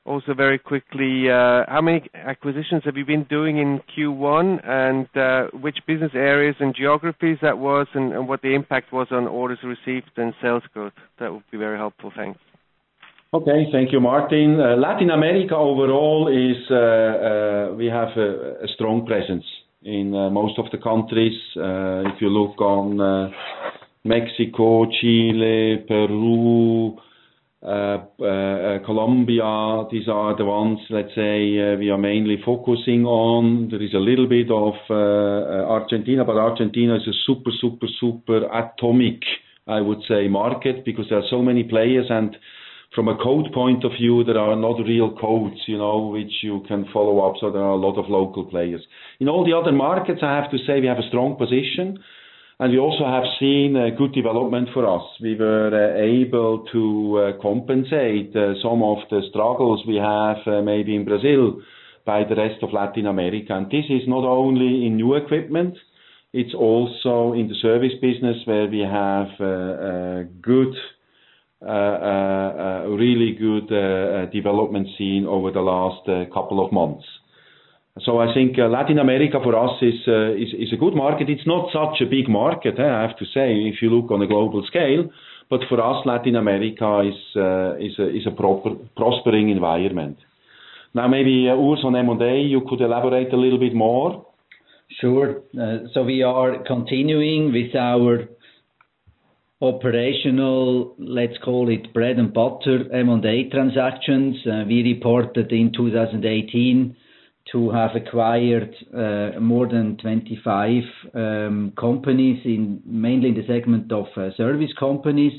also very quickly, how many acquisitions have you been doing in Q1? Which business areas and geographies that was, and what the impact was on orders received and sales growth? That would be very helpful. Thanks. Okay. Thank you, Martin. Latin America overall. We have a strong presence in most of the countries. If you look on Mexico, Chile, Peru, Colombia, these are the ones, let's say, we are mainly focusing on. There is a little bit of Argentina, but Argentina is a super-atomic, I would say, market because there are so many players. From a code point of view, there are not real codes, which you can follow up. There are a lot of local players. In all the other markets, I have to say, we have a strong position, and we also have seen a good development for us. We were able to compensate some of the struggles we have, maybe in Brazil, by the rest of Latin America. This is not only in new equipment, it's also in the service business where we have a really good development seen over the last couple of months. I think Latin America for us is a good market. It's not such a big market, I have to say, if you look on a global scale, but for us Latin America is a prospering environment. Now, maybe Urs on M&A, you could elaborate a little bit more. Sure. We are continuing with our operational, let's call it bread and butter, M&A transactions. We reported in 2018 to have acquired more than 25 companies, mainly in the segment of service companies,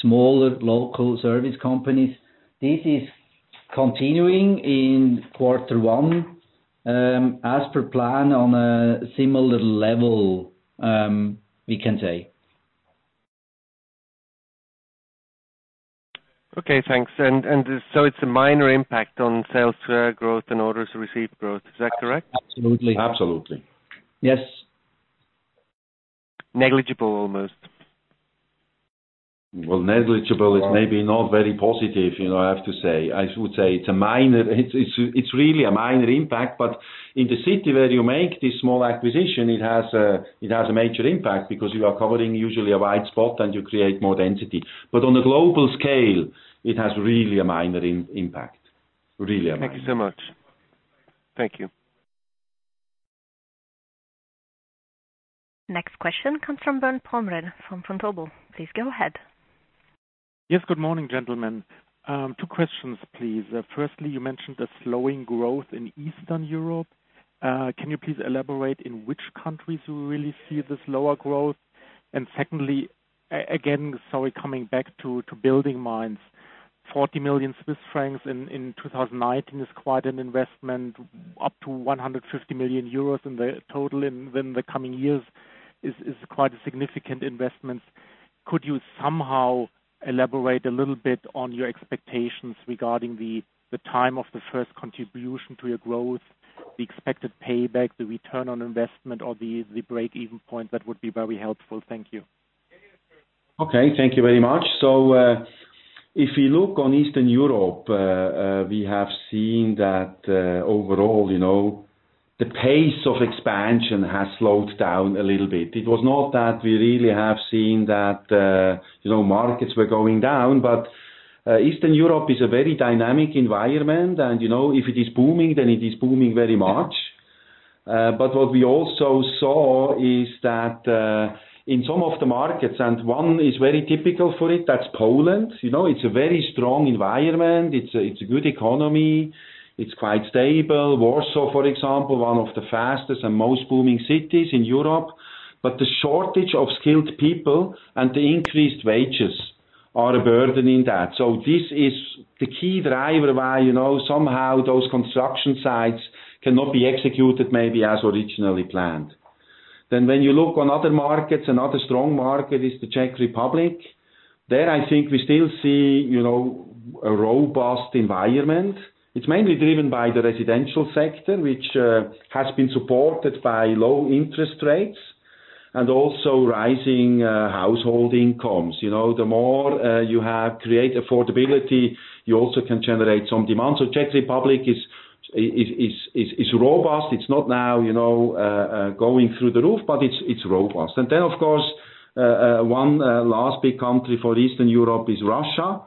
smaller local service companies. This is continuing in quarter one, as per plan, on a similar level, we can say. Okay, thanks. It's a minor impact on sales growth and orders received growth. Is that correct? Absolutely. Absolutely. Yes. Negligible almost. Well, negligible is maybe not very positive, I have to say. I would say it's really a minor impact, in the city where you make this small acquisition, it has a major impact because you are covering usually a wide spot and you create more density. On a global scale, it has really a minor impact. Really a minor. Thank you so much. Thank you. Next question comes from Bernd Pomrehn from Vontobel, please go ahead. Yes, good morning gentlemen? Two questions, please. Firstly, you mentioned the slowing growth in Eastern Europe. Can you please elaborate in which countries you really see this lower growth? Secondly, again, sorry, coming back to BuildingMinds, 40 million Swiss francs in 2019 is quite an investment, up to 150 million euros in the total in the coming years is quite a significant investment. Could you somehow elaborate a little bit on your expectations regarding the time of the first contribution to your growth, the expected payback, the return on investment or the break-even point? That would be very helpful. Thank you. Okay, thank you very much. If we look on Eastern Europe, we have seen that overall, the pace of expansion has slowed down a little bit. It was not that we really have seen that markets were going down, Eastern Europe is a very dynamic environment, and if it is booming, then it is booming very much. What we also saw is that in some of the markets, and one is very typical for it, that's Poland. It's a very strong environment. It's a good economy. It's quite stable. Warsaw, for example, one of the fastest and most booming cities in Europe. The shortage of skilled people and the increased wages are a burden in that. This is the key driver why somehow those construction sites cannot be executed maybe as originally planned. When you look on other markets, another strong market is the Czech Republic. There, I think we still see a robust environment. It is mainly driven by the residential sector, which has been supported by low interest rates and also rising household incomes. The more you have create affordability, you also can generate some demand. Czech Republic is robust. It is not now going through the roof, but it is robust. Of course, one last big country for Eastern Europe is Russia.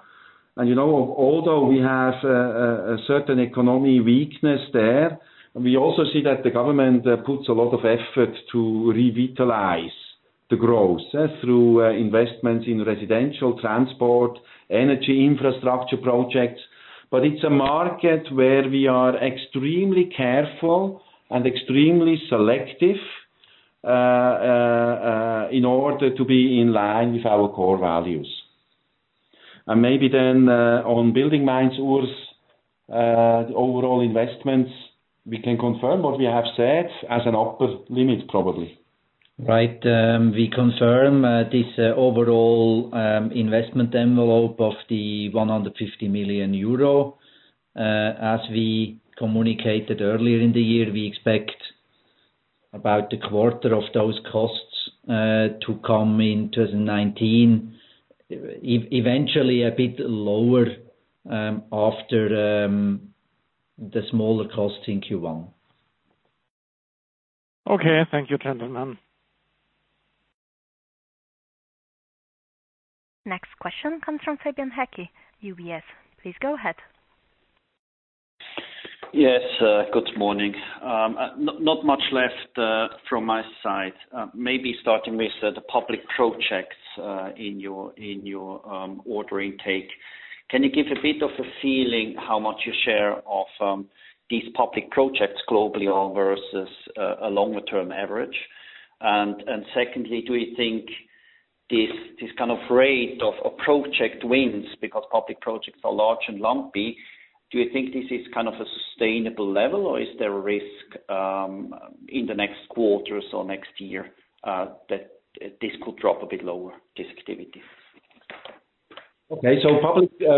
Although we have a certain economic weakness there, we also see that the government puts a lot of effort to revitalize the growth through investments in residential transport, energy infrastructure projects. It is a market where we are extremely careful and extremely selective, in order to be in line with our core values. Maybe then, on BuildingMinds, Urs, the overall investments, we can confirm what we have said as an upper limit, probably. Right. We confirm this overall investment envelope of the 150 million euro. As we communicated earlier in the year, we expect about a quarter of those costs to come in 2019, eventually a bit lower, after the smaller cost in Q1. Okay. Thank you, gentlemen. Next question comes from Fabian Haecki, UBS, please go ahead. Yes, good morning? Not much left from my side. Maybe starting with the public projects in your order intake. Can you give a bit of a feeling how much your share of these public projects globally are versus a longer-term average? Secondly, do you think this kind of rate of project wins, because public projects are large and lumpy, do you think this is a sustainable level or is there a risk in the next quarters or next year that this could drop a bit lower, this activity? Okay.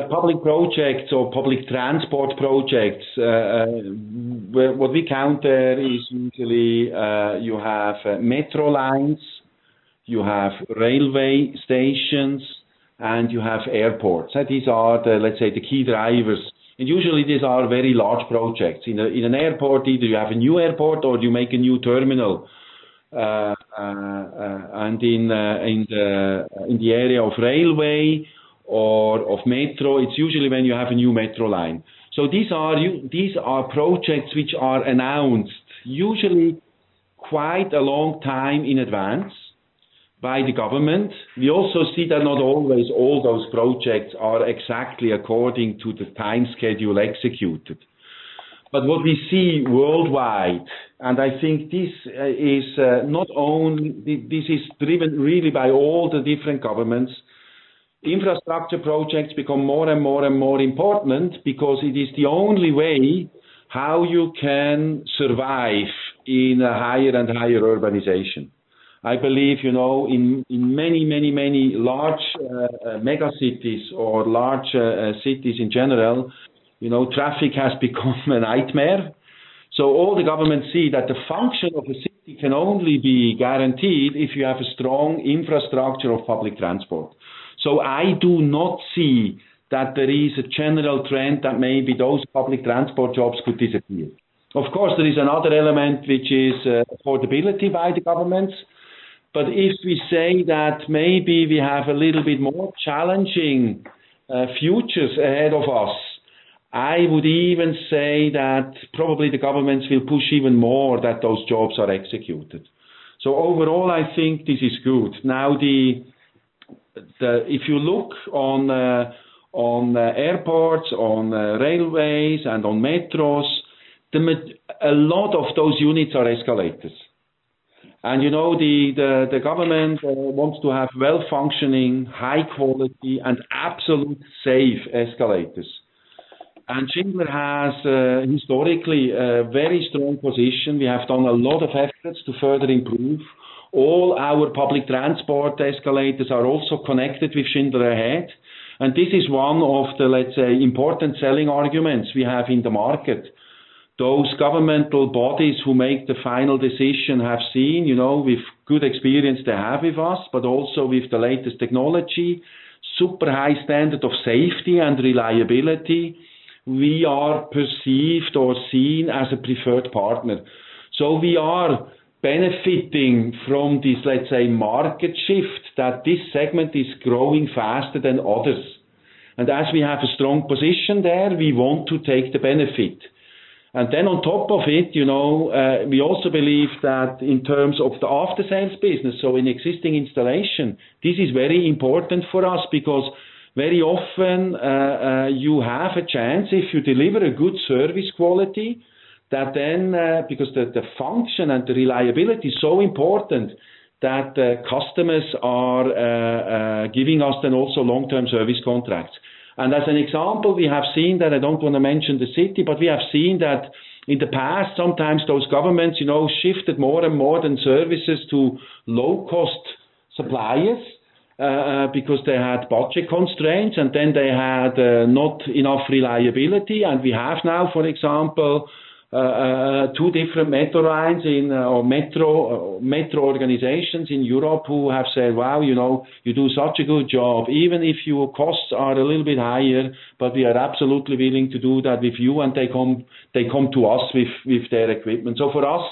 Public projects or public transport projects, what we count there is usually you have metro lines, you have railway stations, and you have airports. These are the, let's say, the key drivers. Usually these are very large projects. In an airport, either you have a new airport or you make a new terminal. In the area of railway or of metro, it's usually when you have a new metro line. These are projects which are announced usually quite a long time in advance by the government. We also see that not always all those projects are exactly according to the time schedule executed. What we see worldwide, and I think this is driven really by all the different governments, infrastructure projects become more and more important because it is the only way how you can survive in a higher and higher urbanization. I believe, in many large mega cities or large cities in general, traffic has become a nightmare. All the governments see that the function of a city can only be guaranteed if you have a strong infrastructure of public transport. I do not see that there is a general trend that maybe those public transport jobs could disappear. Of course, there is another element which is affordability by the governments. If we say that maybe we have a little bit more challenging futures ahead of us, I would even say that probably the governments will push even more that those jobs are executed. Overall, I think this is good. Now, if you look on airports, on railways, and on metros, a lot of those units are escalators. The government wants to have well-functioning, high-quality and absolute safe escalators. Schindler has historically a very strong position. We have done a lot of efforts to further improve. All our public transport escalators are also connected with Schindler Ahead. This is one of the, let's say, important selling arguments we have in the market. Those governmental bodies who make the final decision have seen, with good experience they have with us, but also with the latest technology, super high standard of safety and reliability, we are perceived or seen as a preferred partner. We are benefiting from this, let's say, market shift that this segment is growing faster than others. As we have a strong position there, we want to take the benefit. On top of it, we also believe that in terms of the after-sales business, so in existing installation, this is very important for us because very often, you have a chance if you deliver a good service quality, that then, because the function and the reliability is so important, that customers are giving us then also long-term service contracts. As an example, we have seen that, I don't want to mention the city, but we have seen that in the past, sometimes those governments shifted more and more then services to low-cost suppliers, because they had budget constraints and then they had not enough reliability. We have now, for example, two different metro organizations in Europe who have said, wow, you do such a good job, even if your costs are a little bit higher, but we are absolutely willing to do that with you, and they come to us with their equipment. For us,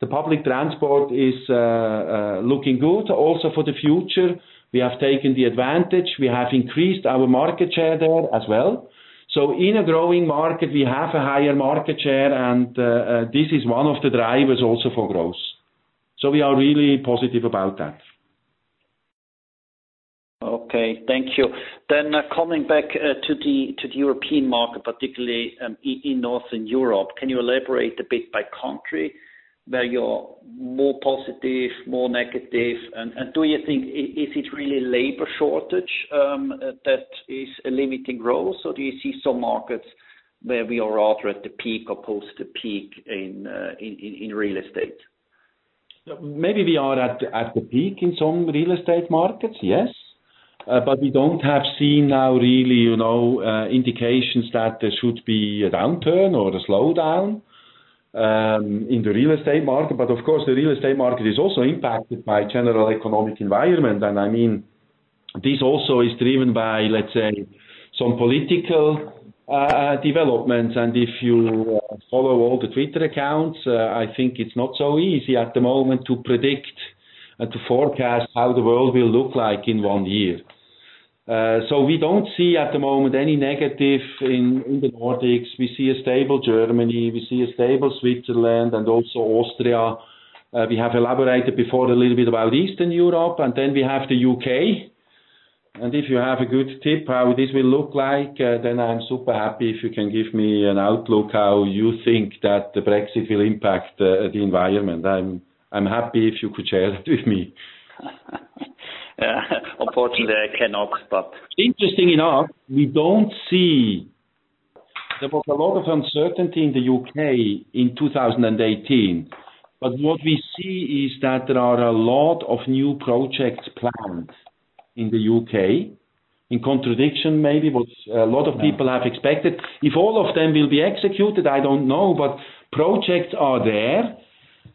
the public transport is looking good. Also for the future, we have taken the advantage. We have increased our market share there as well. In a growing market, we have a higher market share and this is one of the drivers also for growth. We are really positive about that. Okay. Thank you. Coming back to the European market, particularly in Northern Europe, can you elaborate a bit by country where you're more positive, more negative, and do you think, is it really labor shortage that is limiting growth? Or do you see some markets where we are rather at the peak or post the peak in real estate? Maybe we are at the peak in some real estate markets, yes. We don't have seen now really indications that there should be a downturn or a slowdown in the real estate market. Of course, the real estate market is also impacted by general economic environment. I mean, this also is driven by, let's say, some political developments. If you follow all the Twitter accounts, I think it's not so easy at the moment to predict and to forecast how the world will look like in one year. We don't see at the moment any negative in the Nordics. We see a stable Germany, we see a stable Switzerland and also Austria. We have elaborated before a little bit about Eastern Europe. We have the U.K. If you have a good tip how this will look like, I'm super happy if you can give me an outlook how you think that the Brexit will impact the environment. I'm happy if you could share that with me. Unfortunately, I cannot. Interesting enough, there was a lot of uncertainty in the U.K. in 2018. What we see is that there are a lot of new projects planned in the U.K., in contradiction maybe what a lot of people have expected. If all of them will be executed, I don't know, but projects are there,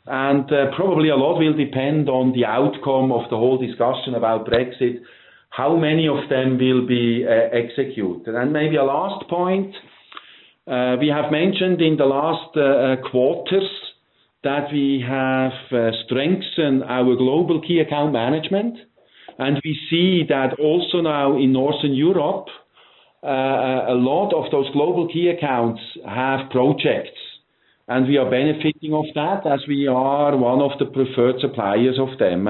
probably a lot will depend on the outcome of the whole discussion about Brexit, how many of them will be executed. Maybe a last point, we have mentioned in the last quarters that we have strengthened our global key account management. We see that also now in Northern Europe, a lot of those global key accounts have projects, and we are benefiting of that as we are one of the preferred suppliers of them.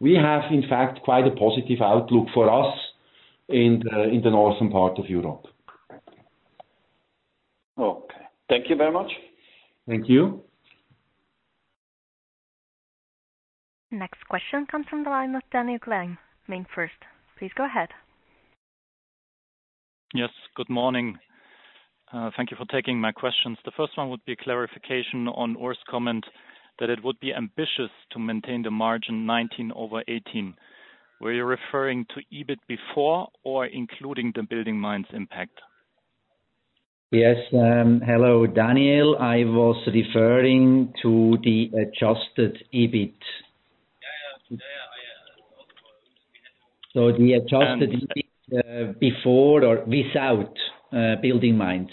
We have, in fact, quite a positive outlook for us in the northern part of Europe. Okay. Thank you very much. Thank you. Next question comes from the line of Daniel Gleim, MainFirst, please go ahead. Yes, good morning? Thank you for taking my questions. The first one would be clarification on Urs's comment that it would be ambitious to maintain the margin 2019 over 2018. Were you referring to EBIT before or including the BuildingMinds impact? Yes. Hello, Daniel. I was referring to the adjusted EBIT. Yeah. I understood. The adjusted EBIT before or without BuildingMinds.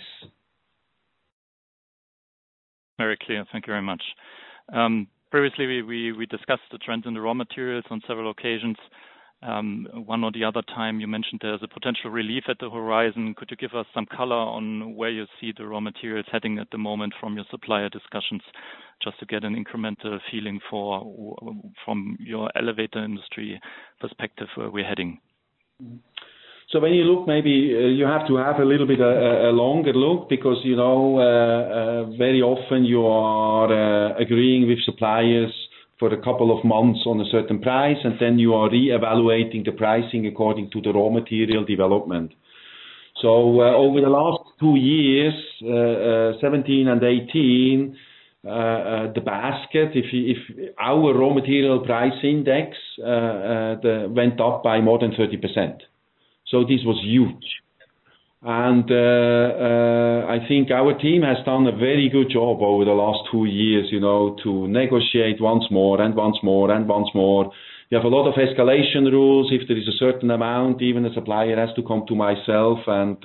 Very clear. Thank you very much. Previously, we discussed the trends in the raw materials on several occasions. One or the other time, you mentioned there is a potential relief at the horizon. Could you give us some color on where you see the raw materials heading at the moment from your supplier discussions, just to get an incremental feeling from your elevator industry perspective where we're heading? When you look, maybe you have to have a little bit a longer look because very often you are agreeing with suppliers for a couple of months on a certain price, and then you are reevaluating the pricing according to the raw material development. Over the last two years, 2017 and 2018, the basket, our raw material price index went up by more than 30%. This was huge. And I think our team has done a very good job over the last two years to negotiate once more and once more and once more. We have a lot of escalation rules. If there is a certain amount, even the supplier has to come to myself and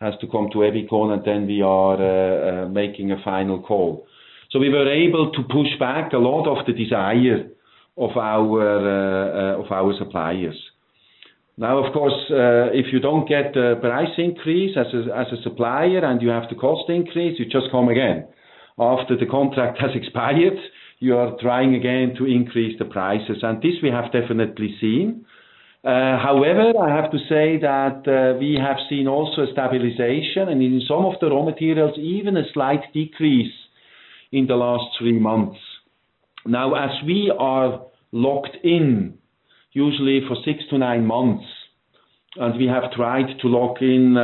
has to come to [modicon], and then we are making a final call. We were able to push back a lot of the desire of our suppliers. Of course, if you don't get a price increase as a supplier and you have the cost increase, you just come again. After the contract has expired, you are trying again to increase the prices. And this we have definitely seen. However, I have to say that we have seen also stabilization and in some of the raw materials, even a slight decrease in the last three months. As we are locked in, usually for six moths to nine months, and we have tried to lock in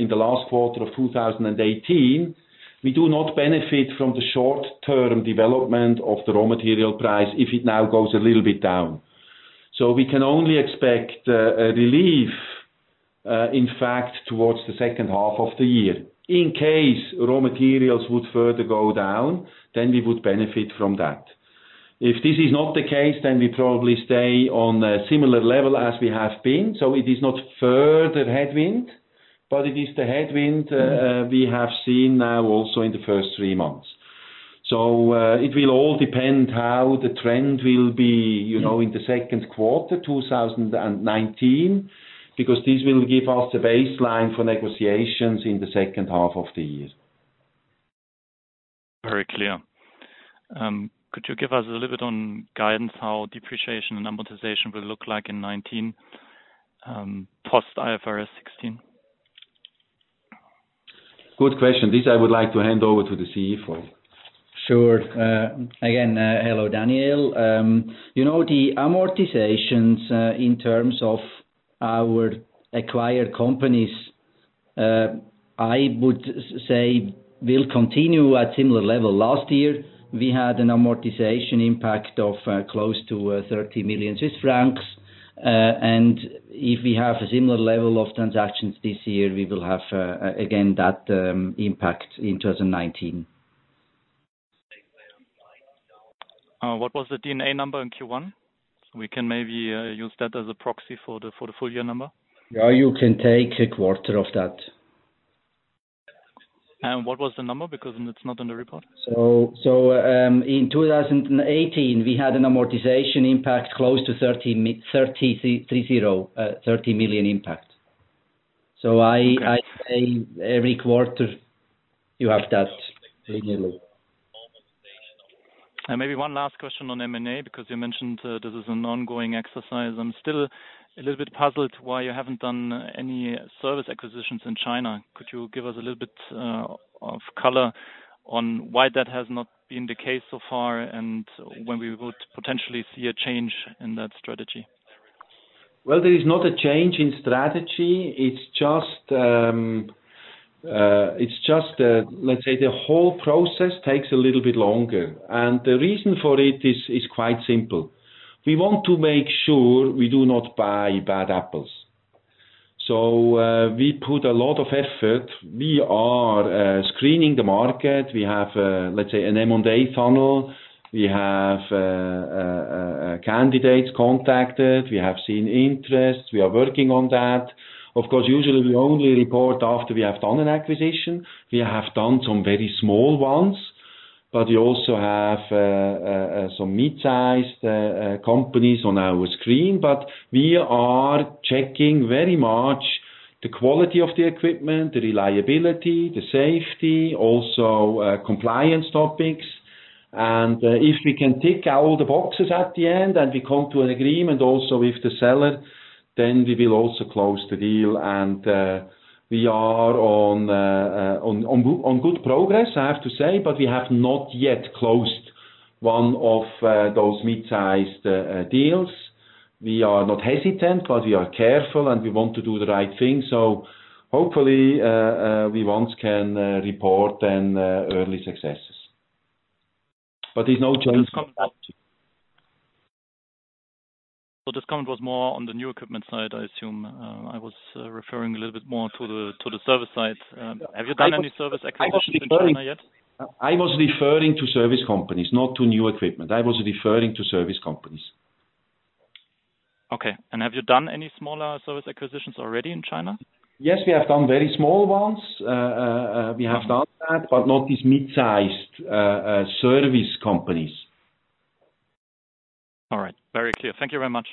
in the last quarter of 2018, we do not benefit from the short-term development of the raw material price if it now goes a little bit down. We can only expect a relief, in fact, towards the second half of the year. In case raw materials would further go down, then we would benefit from that. If this is not the case, then we probably stay on a similar level as we have been. It is not further headwind, but it is the headwind we have seen now also in the first three months. It will all depend how the trend will be in the second quarter 2019, because this will give us a baseline for negotiations in the second half of the year. Very clear. Could you give us a little bit on guidance how depreciation and amortization will look like in 2019, post IFRS 16? Good question. This I would like to hand over to the Chief Financial Officer. Sure. Again, hello, Daniel. The amortizations in terms of our acquired companies, I would say will continue at similar level. Last year, we had an amortization impact of close to 30 million Swiss francs. If we have a similar level of transactions this year, we will have again that impact in 2019. What was the D&A number in Q1? We can maybe use that as a proxy for the full year number. You can take a quarter of that. What was the number? Because it is not in the report. In 2018, we had an amortization impact close to 30 million impact. I say every quarter you have that similarly. Maybe one last question on M&A, because you mentioned this is an ongoing exercise. I am still a little bit puzzled why you haven't done any service acquisitions in China. Could you give us a little bit of color on why that has not been the case so far, and when we would potentially see a change in that strategy? There is not a change in strategy. It is just, let's say the whole process takes a little bit longer. The reason for it is quite simple. We want to make sure we do not buy bad apples. We put a lot of effort. We are screening the market. We have, let's say, an M&A funnel. We have candidates contacted. We have seen interests. We are working on that. Usually we only report after we have done an acquisition. We have done some very small ones, but we also have some mid-sized companies on our screen. We are checking very much the quality of the equipment, the reliability, the safety, also compliance topics. If we can tick all the boxes at the end and we come to an agreement also with the seller, then we will also close the deal. We are on good progress, I have to say, but we have not yet closed one of those mid-sized deals. We are not hesitant, but we are careful and we want to do the right thing. Hopefully, we once can report then early successes. There's no change in that. This comment was more on the new equipment side, I assume. I was referring a little bit more to the service side. Have you done any service acquisitions in China yet? I was referring to service companies, not to new equipment. I was referring to service companies. Okay. Have you done any smaller service acquisitions already in China? Yes, we have done very small ones. We have done that, but not these mid-sized service companies. All right. Very clear. Thank you very much.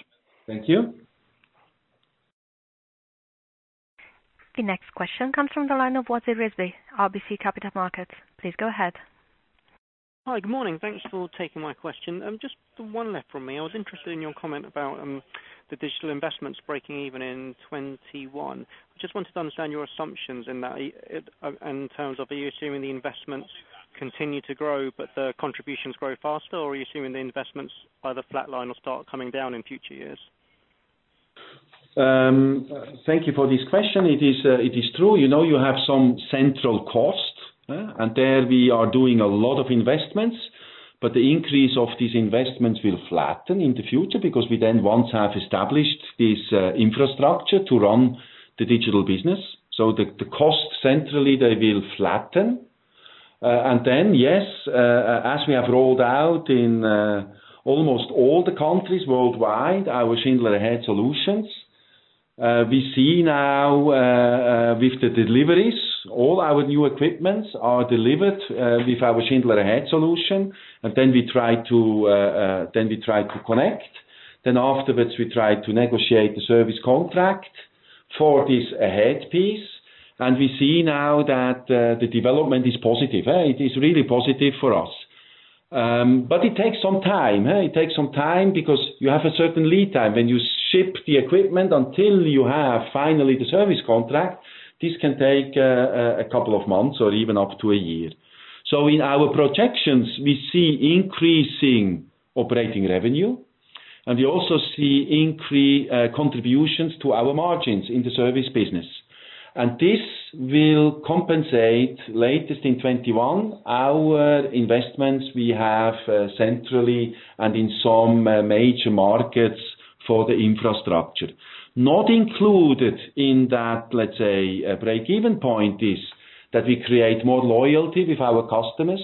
Thank you. The next question comes from the line of Wasi Rizvi, RBC Capital Markets, please go ahead. Hi. Good morning? Thanks for taking my question. Just one left from me. I was interested in your comment about the digital investments breaking even in 2021. I just wanted to understand your assumptions in that, in terms of are you assuming the investments continue to grow, but the contributions grow faster, or are you assuming the investments either flatline or start coming down in future years? Thank you for this question. It is true. You have some central cost, and there we are doing a lot of investments, but the increase of these investments will flatten in the future because we then once have established this infrastructure to run the digital business. The cost centrally, they will flatten. Yes, as we have rolled out in almost all the countries worldwide, our Schindler Ahead solutions. We see now, with the deliveries, all our new equipment is delivered, with our Schindler Ahead solution. We try to connect. Afterwards, we try to negotiate the service contract for this Ahead piece. We see now that the development is positive. It is really positive for us. It takes some time. It takes some time because you have a certain lead time. When you ship the equipment until you have finally the service contract, this can take a couple of months or even up to a year. In our projections, we see increasing operating revenue, and we also see increased contributions to our margins in the service business. This will compensate latest in 2021, our investments we have centrally and in some major markets for the infrastructure. Not included in that, let's say, break-even point is that we create more loyalty with our customers,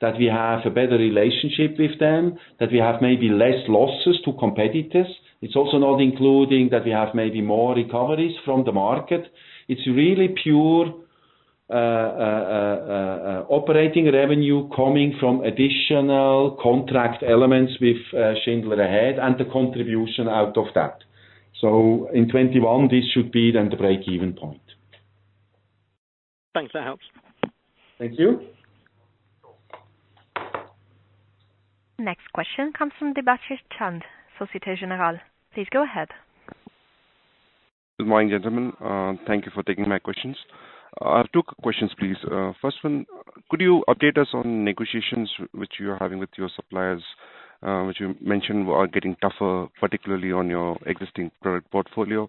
that we have a better relationship with them, that we have maybe less losses to competitors. It's also not including that we have maybe more recoveries from the market. It's really pure operating revenue coming from additional contract elements with Schindler Ahead and the contribution out of that. In 2021, this should be then the break-even point. Thanks. That helps. Thank you. Next question comes from Debashis Chand, Societe Generale, please go ahead. Good morning gentlemen? Thank you for taking my questions. Two questions, please. First one, could you update us on negotiations which you are having with your suppliers, which you mentioned are getting tougher, particularly on your existing product portfolio?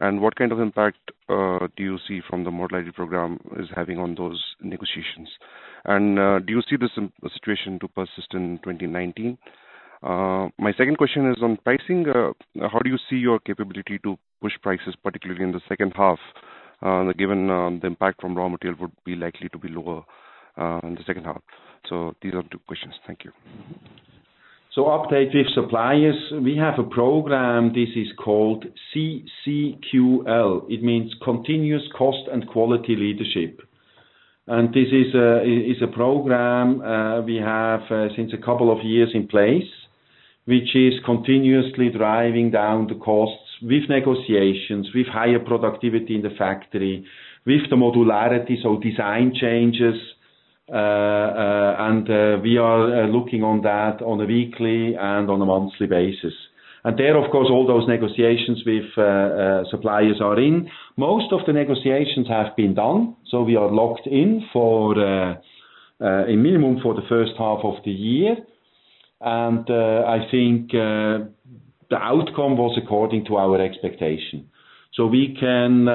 What kind of impact do you see from the Modularity Program is having on those negotiations? Do you see this situation to persist in 2019? My second question is on pricing. How do you see your capability to push prices, particularly in the second half, given the impact from raw material would be likely to be lower in the second half? These are the two questions. Thank you. Update with suppliers. We have a program, this is called CCQL. It means Continuous Cost and Quality Leadership. This is a program we have since a couple of years in place. Which is continuously driving down the costs with negotiations, with higher productivity in the factory, with the modularity, so design changes. We are looking on that on a weekly and on a monthly basis. There, of course, all those negotiations with suppliers are in. Most of the negotiations have been done, so we are locked in for a minimum for the first half of the year. I think the outcome was according to our expectation. We can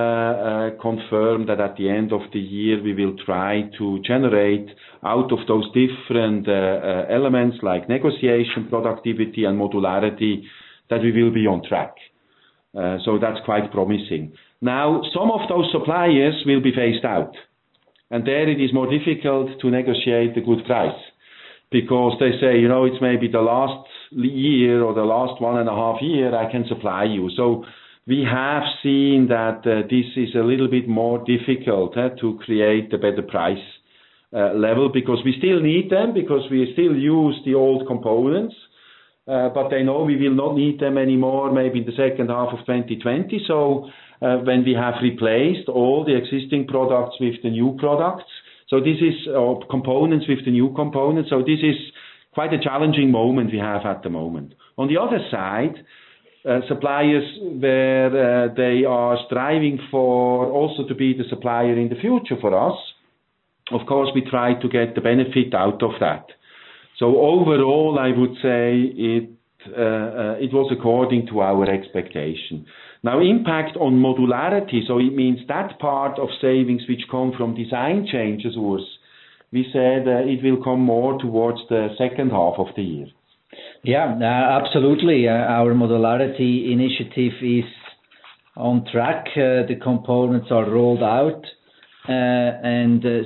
confirm that at the end of the year we will try to generate out of those different elements, like negotiation, productivity and modularity, that we will be on track. That's quite promising. Some of those suppliers will be phased out, and there it is more difficult to negotiate a good price because they say, it's maybe the last year or the last one and a half year I can supply you. We have seen that this is a little bit more difficult to create a better price level because we still need them, because we still use the old components. They know we will not need them anymore maybe the second half of 2020, when we have replaced all the existing products with the new products. This is components with the new components. This is quite a challenging moment we have at the moment. On the other side, suppliers where they are striving for also to be the supplier in the future for us, of course, we try to get the benefit out of that. Overall, I would say it was according to our expectation. Impact on modularity, it means that part of savings which come from design changes, we said it will come more towards the second half of the year. Absolutely. Our Modularity Initiative is on track. The components are rolled out,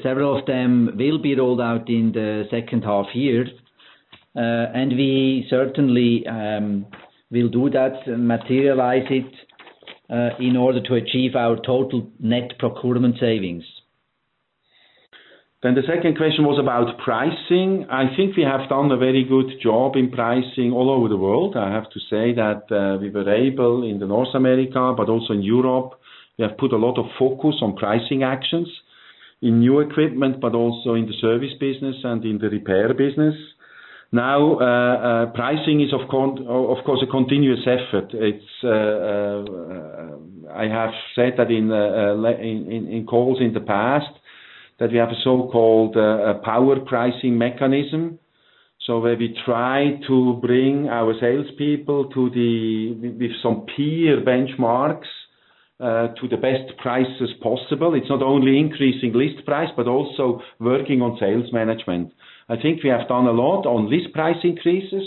several of them will be rolled out in the second half year. We certainly will do that and materialize it in order to achieve our total net procurement savings. The second question was about pricing. I think we have done a very good job in pricing all over the world. I have to say that we were able in North America but also in Europe, we have put a lot of focus on pricing actions in new equipment, but also in the service business and in the repair business. Pricing is of course a continuous effort. I have said that in calls in the past, that we have a so-called Power Pricing mechanism. We try to bring our sales people with some peer benchmarks, to the best prices possible. It's not only increasing list price, but also working on sales management. I think we have done a lot on list price increases.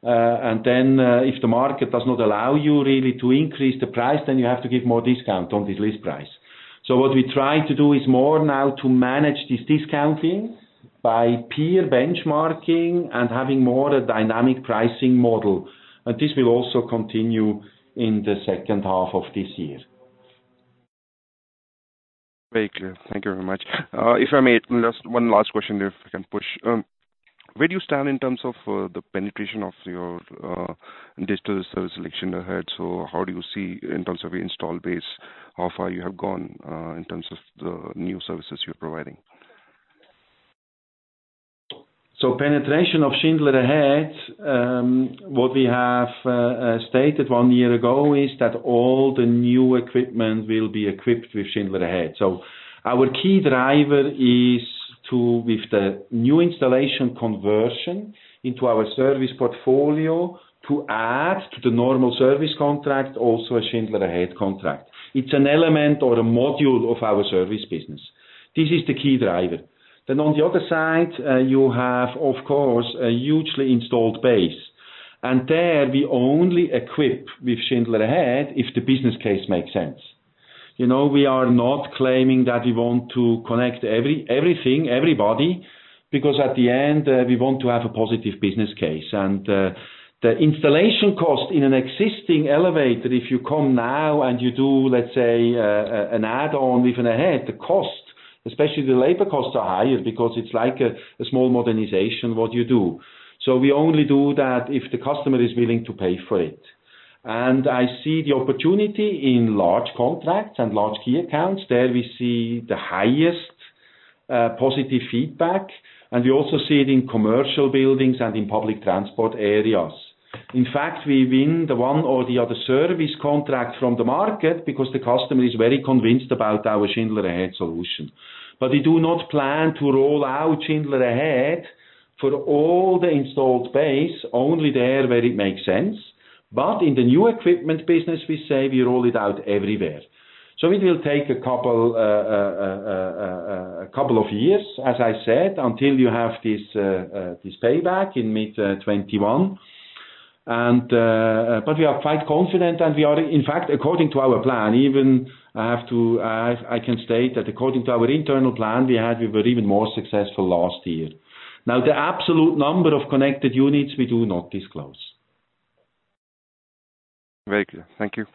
If the market does not allow you really to increase the price, then you have to give more discount on this list price. What we try to do is more now to manage this discounting by peer benchmarking and having more a dynamic pricing model. This will also continue in the second half of this year. Very clear. Thank you very much. If I may, just one last question if I can push. Where do you stand in terms of the penetration of your digital service Schindler Ahead? How do you see in terms of your installed base, how far you have gone in terms of the new services you're providing? Penetration of Schindler Ahead, what we have stated one year ago is that all the new equipment will be equipped with Schindler Ahead. Our key driver is to, with the new installation conversion into our service portfolio, to add to the normal service contract also a Schindler Ahead contract. It's an element or a module of our service business. This is the key driver. On the other side, you have, of course, a hugely installed base. There we only equip with Schindler Ahead if the business case makes sense. We are not claiming that we want to connect everything, everybody, because at the end we want to have a positive business case. The installation cost in an existing elevator, if you come now and you do, let's say, an add-on Schindler Ahead, the cost, especially the labor costs are higher because it's like a small modernization what you do. We only do that if the customer is willing to pay for it. I see the opportunity in large contracts and large key accounts. There we see the highest positive feedback, and we also see it in commercial buildings and in public transport areas. In fact, we win the one or the other service contract from the market because the customer is very convinced about our Schindler Ahead solution. We do not plan to roll out Schindler Ahead for all the installed base, only there where it makes sense. In the new equipment business, we say we roll it out everywhere. It will take a couple of years, as I said, until you have this payback in mid 2021. We are quite confident and we are, in fact, according to our plan, even I can state that according to our internal plan we had, we were even more successful last year. The absolute number of connected units we do not disclose. Very clear. Thank you.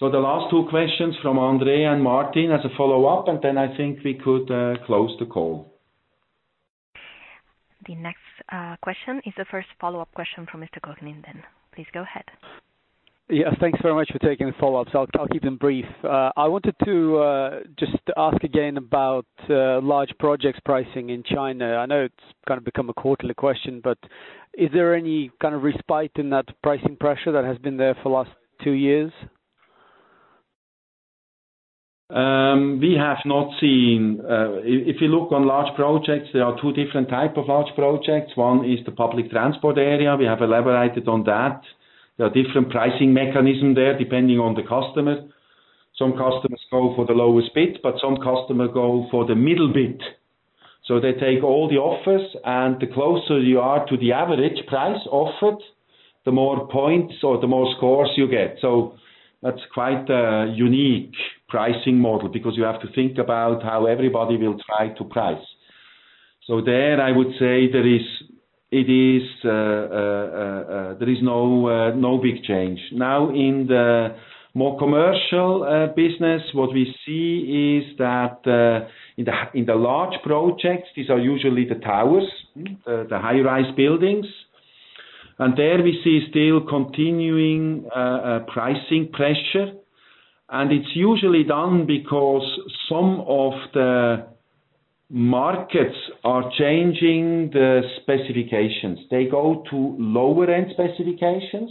The last two questions from Andre and Martin as a follow-up, and then I think we could close the call. The next question is the first follow-up question from Mr. Kukhnin then, please go ahead. Yes. Thanks very much for taking the follow-ups. I'll keep them brief. I wanted to just ask again about large projects pricing in China. I know it's become a quarterly question, is there any respite in that pricing pressure that has been there for the last two years? If you look on large projects, there are two different type of large projects. One is the public transport area. We have elaborated on that. There are different pricing mechanism there, depending on the customer. Some customers go for the lowest bid, some customers go for the middle bid. They take all the offers, the closer you are to the average price offered, the more points or the more scores you get. That's quite a unique pricing model because you have to think about how everybody will try to price. There, I would say there is no big change. Now, in the more commercial business, what we see is that in the large projects, these are usually the towers, the high-rise buildings. There we see still continuing pricing pressure. It's usually done because some of the markets are changing the specifications. They go to lower-end specifications,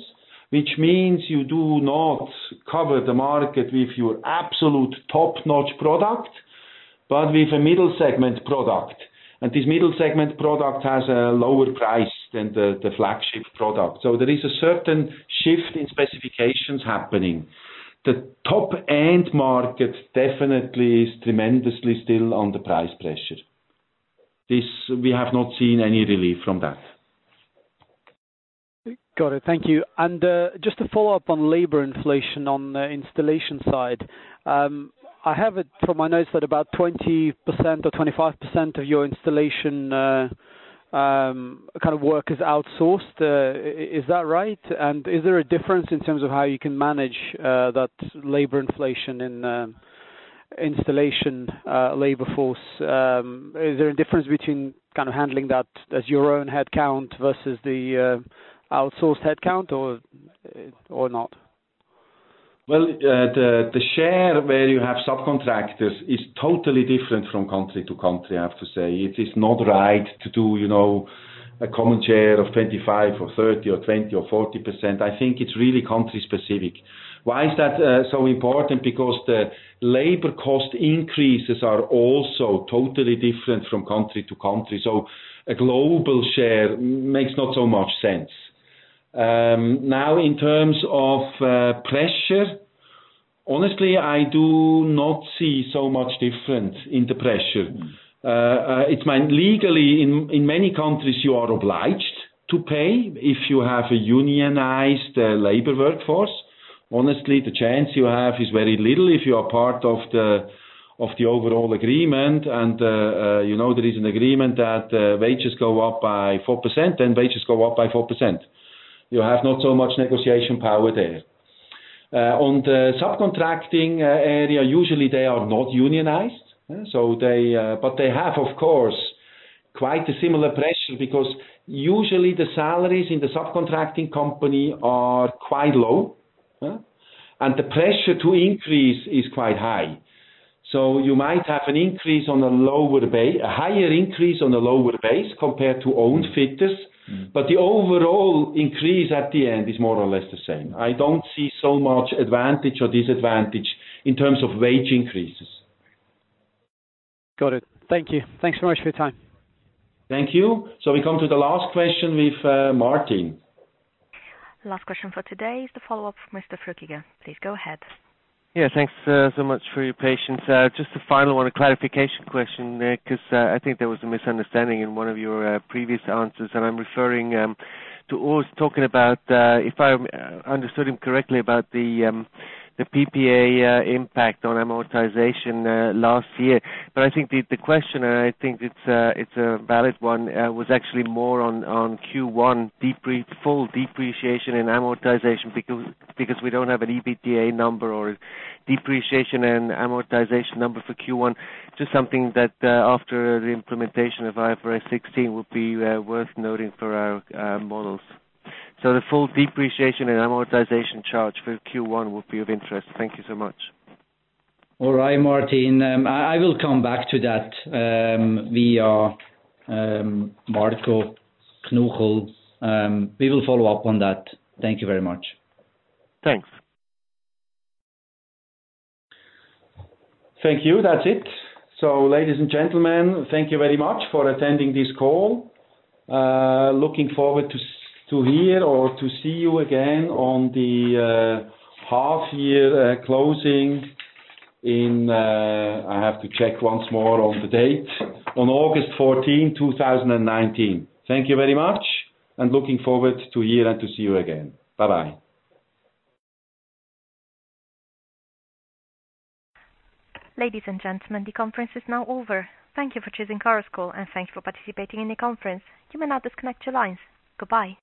which means you do not cover the market with your absolute top-notch product, but with a middle-segment product. This middle-segment product has a lower price than the flagship product. There is a certain shift in specifications happening. The top-end market definitely is tremendously still under price pressure. We have not seen any relief from that. Got it. Thank you. Just to follow up on labor inflation on the installation side. I have it from my notes that about 20% or 25% of your installation work is outsourced. Is that right? Is there a difference in terms of how you can manage that labor inflation in installation labor force? Is there a difference between handling that as your own headcount versus the outsourced headcount or not? The share where you have subcontractors is totally different from country to country, I have to say. It is not right to do a common share of 25% or 30% or 20% or 40%. I think it's really country specific. Why is that so important? The labor cost increases are also totally different from country to country. A global share makes not so much sense. In terms of pressure, honestly, I do not see so much difference in the pressure. It's legally, in many countries, you are obliged to pay if you have a unionized labor workforce. Honestly, the chance you have is very little if you are part of the overall agreement and there is an agreement that wages go up by 4%, then wages go up by 4%. You have not so much negotiation power there. On the subcontracting area, usually they are not unionized. They have, of course, quite a similar pressure because usually the salaries in the subcontracting company are quite low, and the pressure to increase is quite high. You might have a higher increase on a lower base compared to own fitters, but the overall increase at the end is more or less the same. I don't see so much advantage or disadvantage in terms of wage increases. Got it. Thank you. Thanks so much for your time. Thank you. We come to the last question with Martin. Last question for today is the follow-up from Mr. Flueckiger, please go ahead. Yeah. Thanks so much for your patience. Just a final one, a clarification question, because I think there was a misunderstanding in one of your previous answers, and I'm referring to Urs talking about, if I understood him correctly, about the PPA impact on amortization last year. I think the question, I think it's a valid one, was actually more on Q1 full depreciation and amortization because we don't have an EBITA number or depreciation and amortization number for Q1. Just something that after the implementation of IFRS 16 would be worth noting for our models. The full depreciation and amortization charge for Q1 would be of interest. Thank you so much. All right, Martin. I will come back to that via Marco Knuchel. We will follow up on that. Thank you very much. Thanks. Thank you. That's it. Ladies and gentlemen, thank you very much for attending this call. Looking forward to hear or to see you again on the half-year closing in I have to check once more on the date. On August 14, 2019. Thank you very much, looking forward to hear and to see you again. Bye-bye. Ladies and gentlemen, the conference is now over. Thank you for choosing Garskel, and thank you for participating in the conference, you may now disconnect your lines. Goodbye.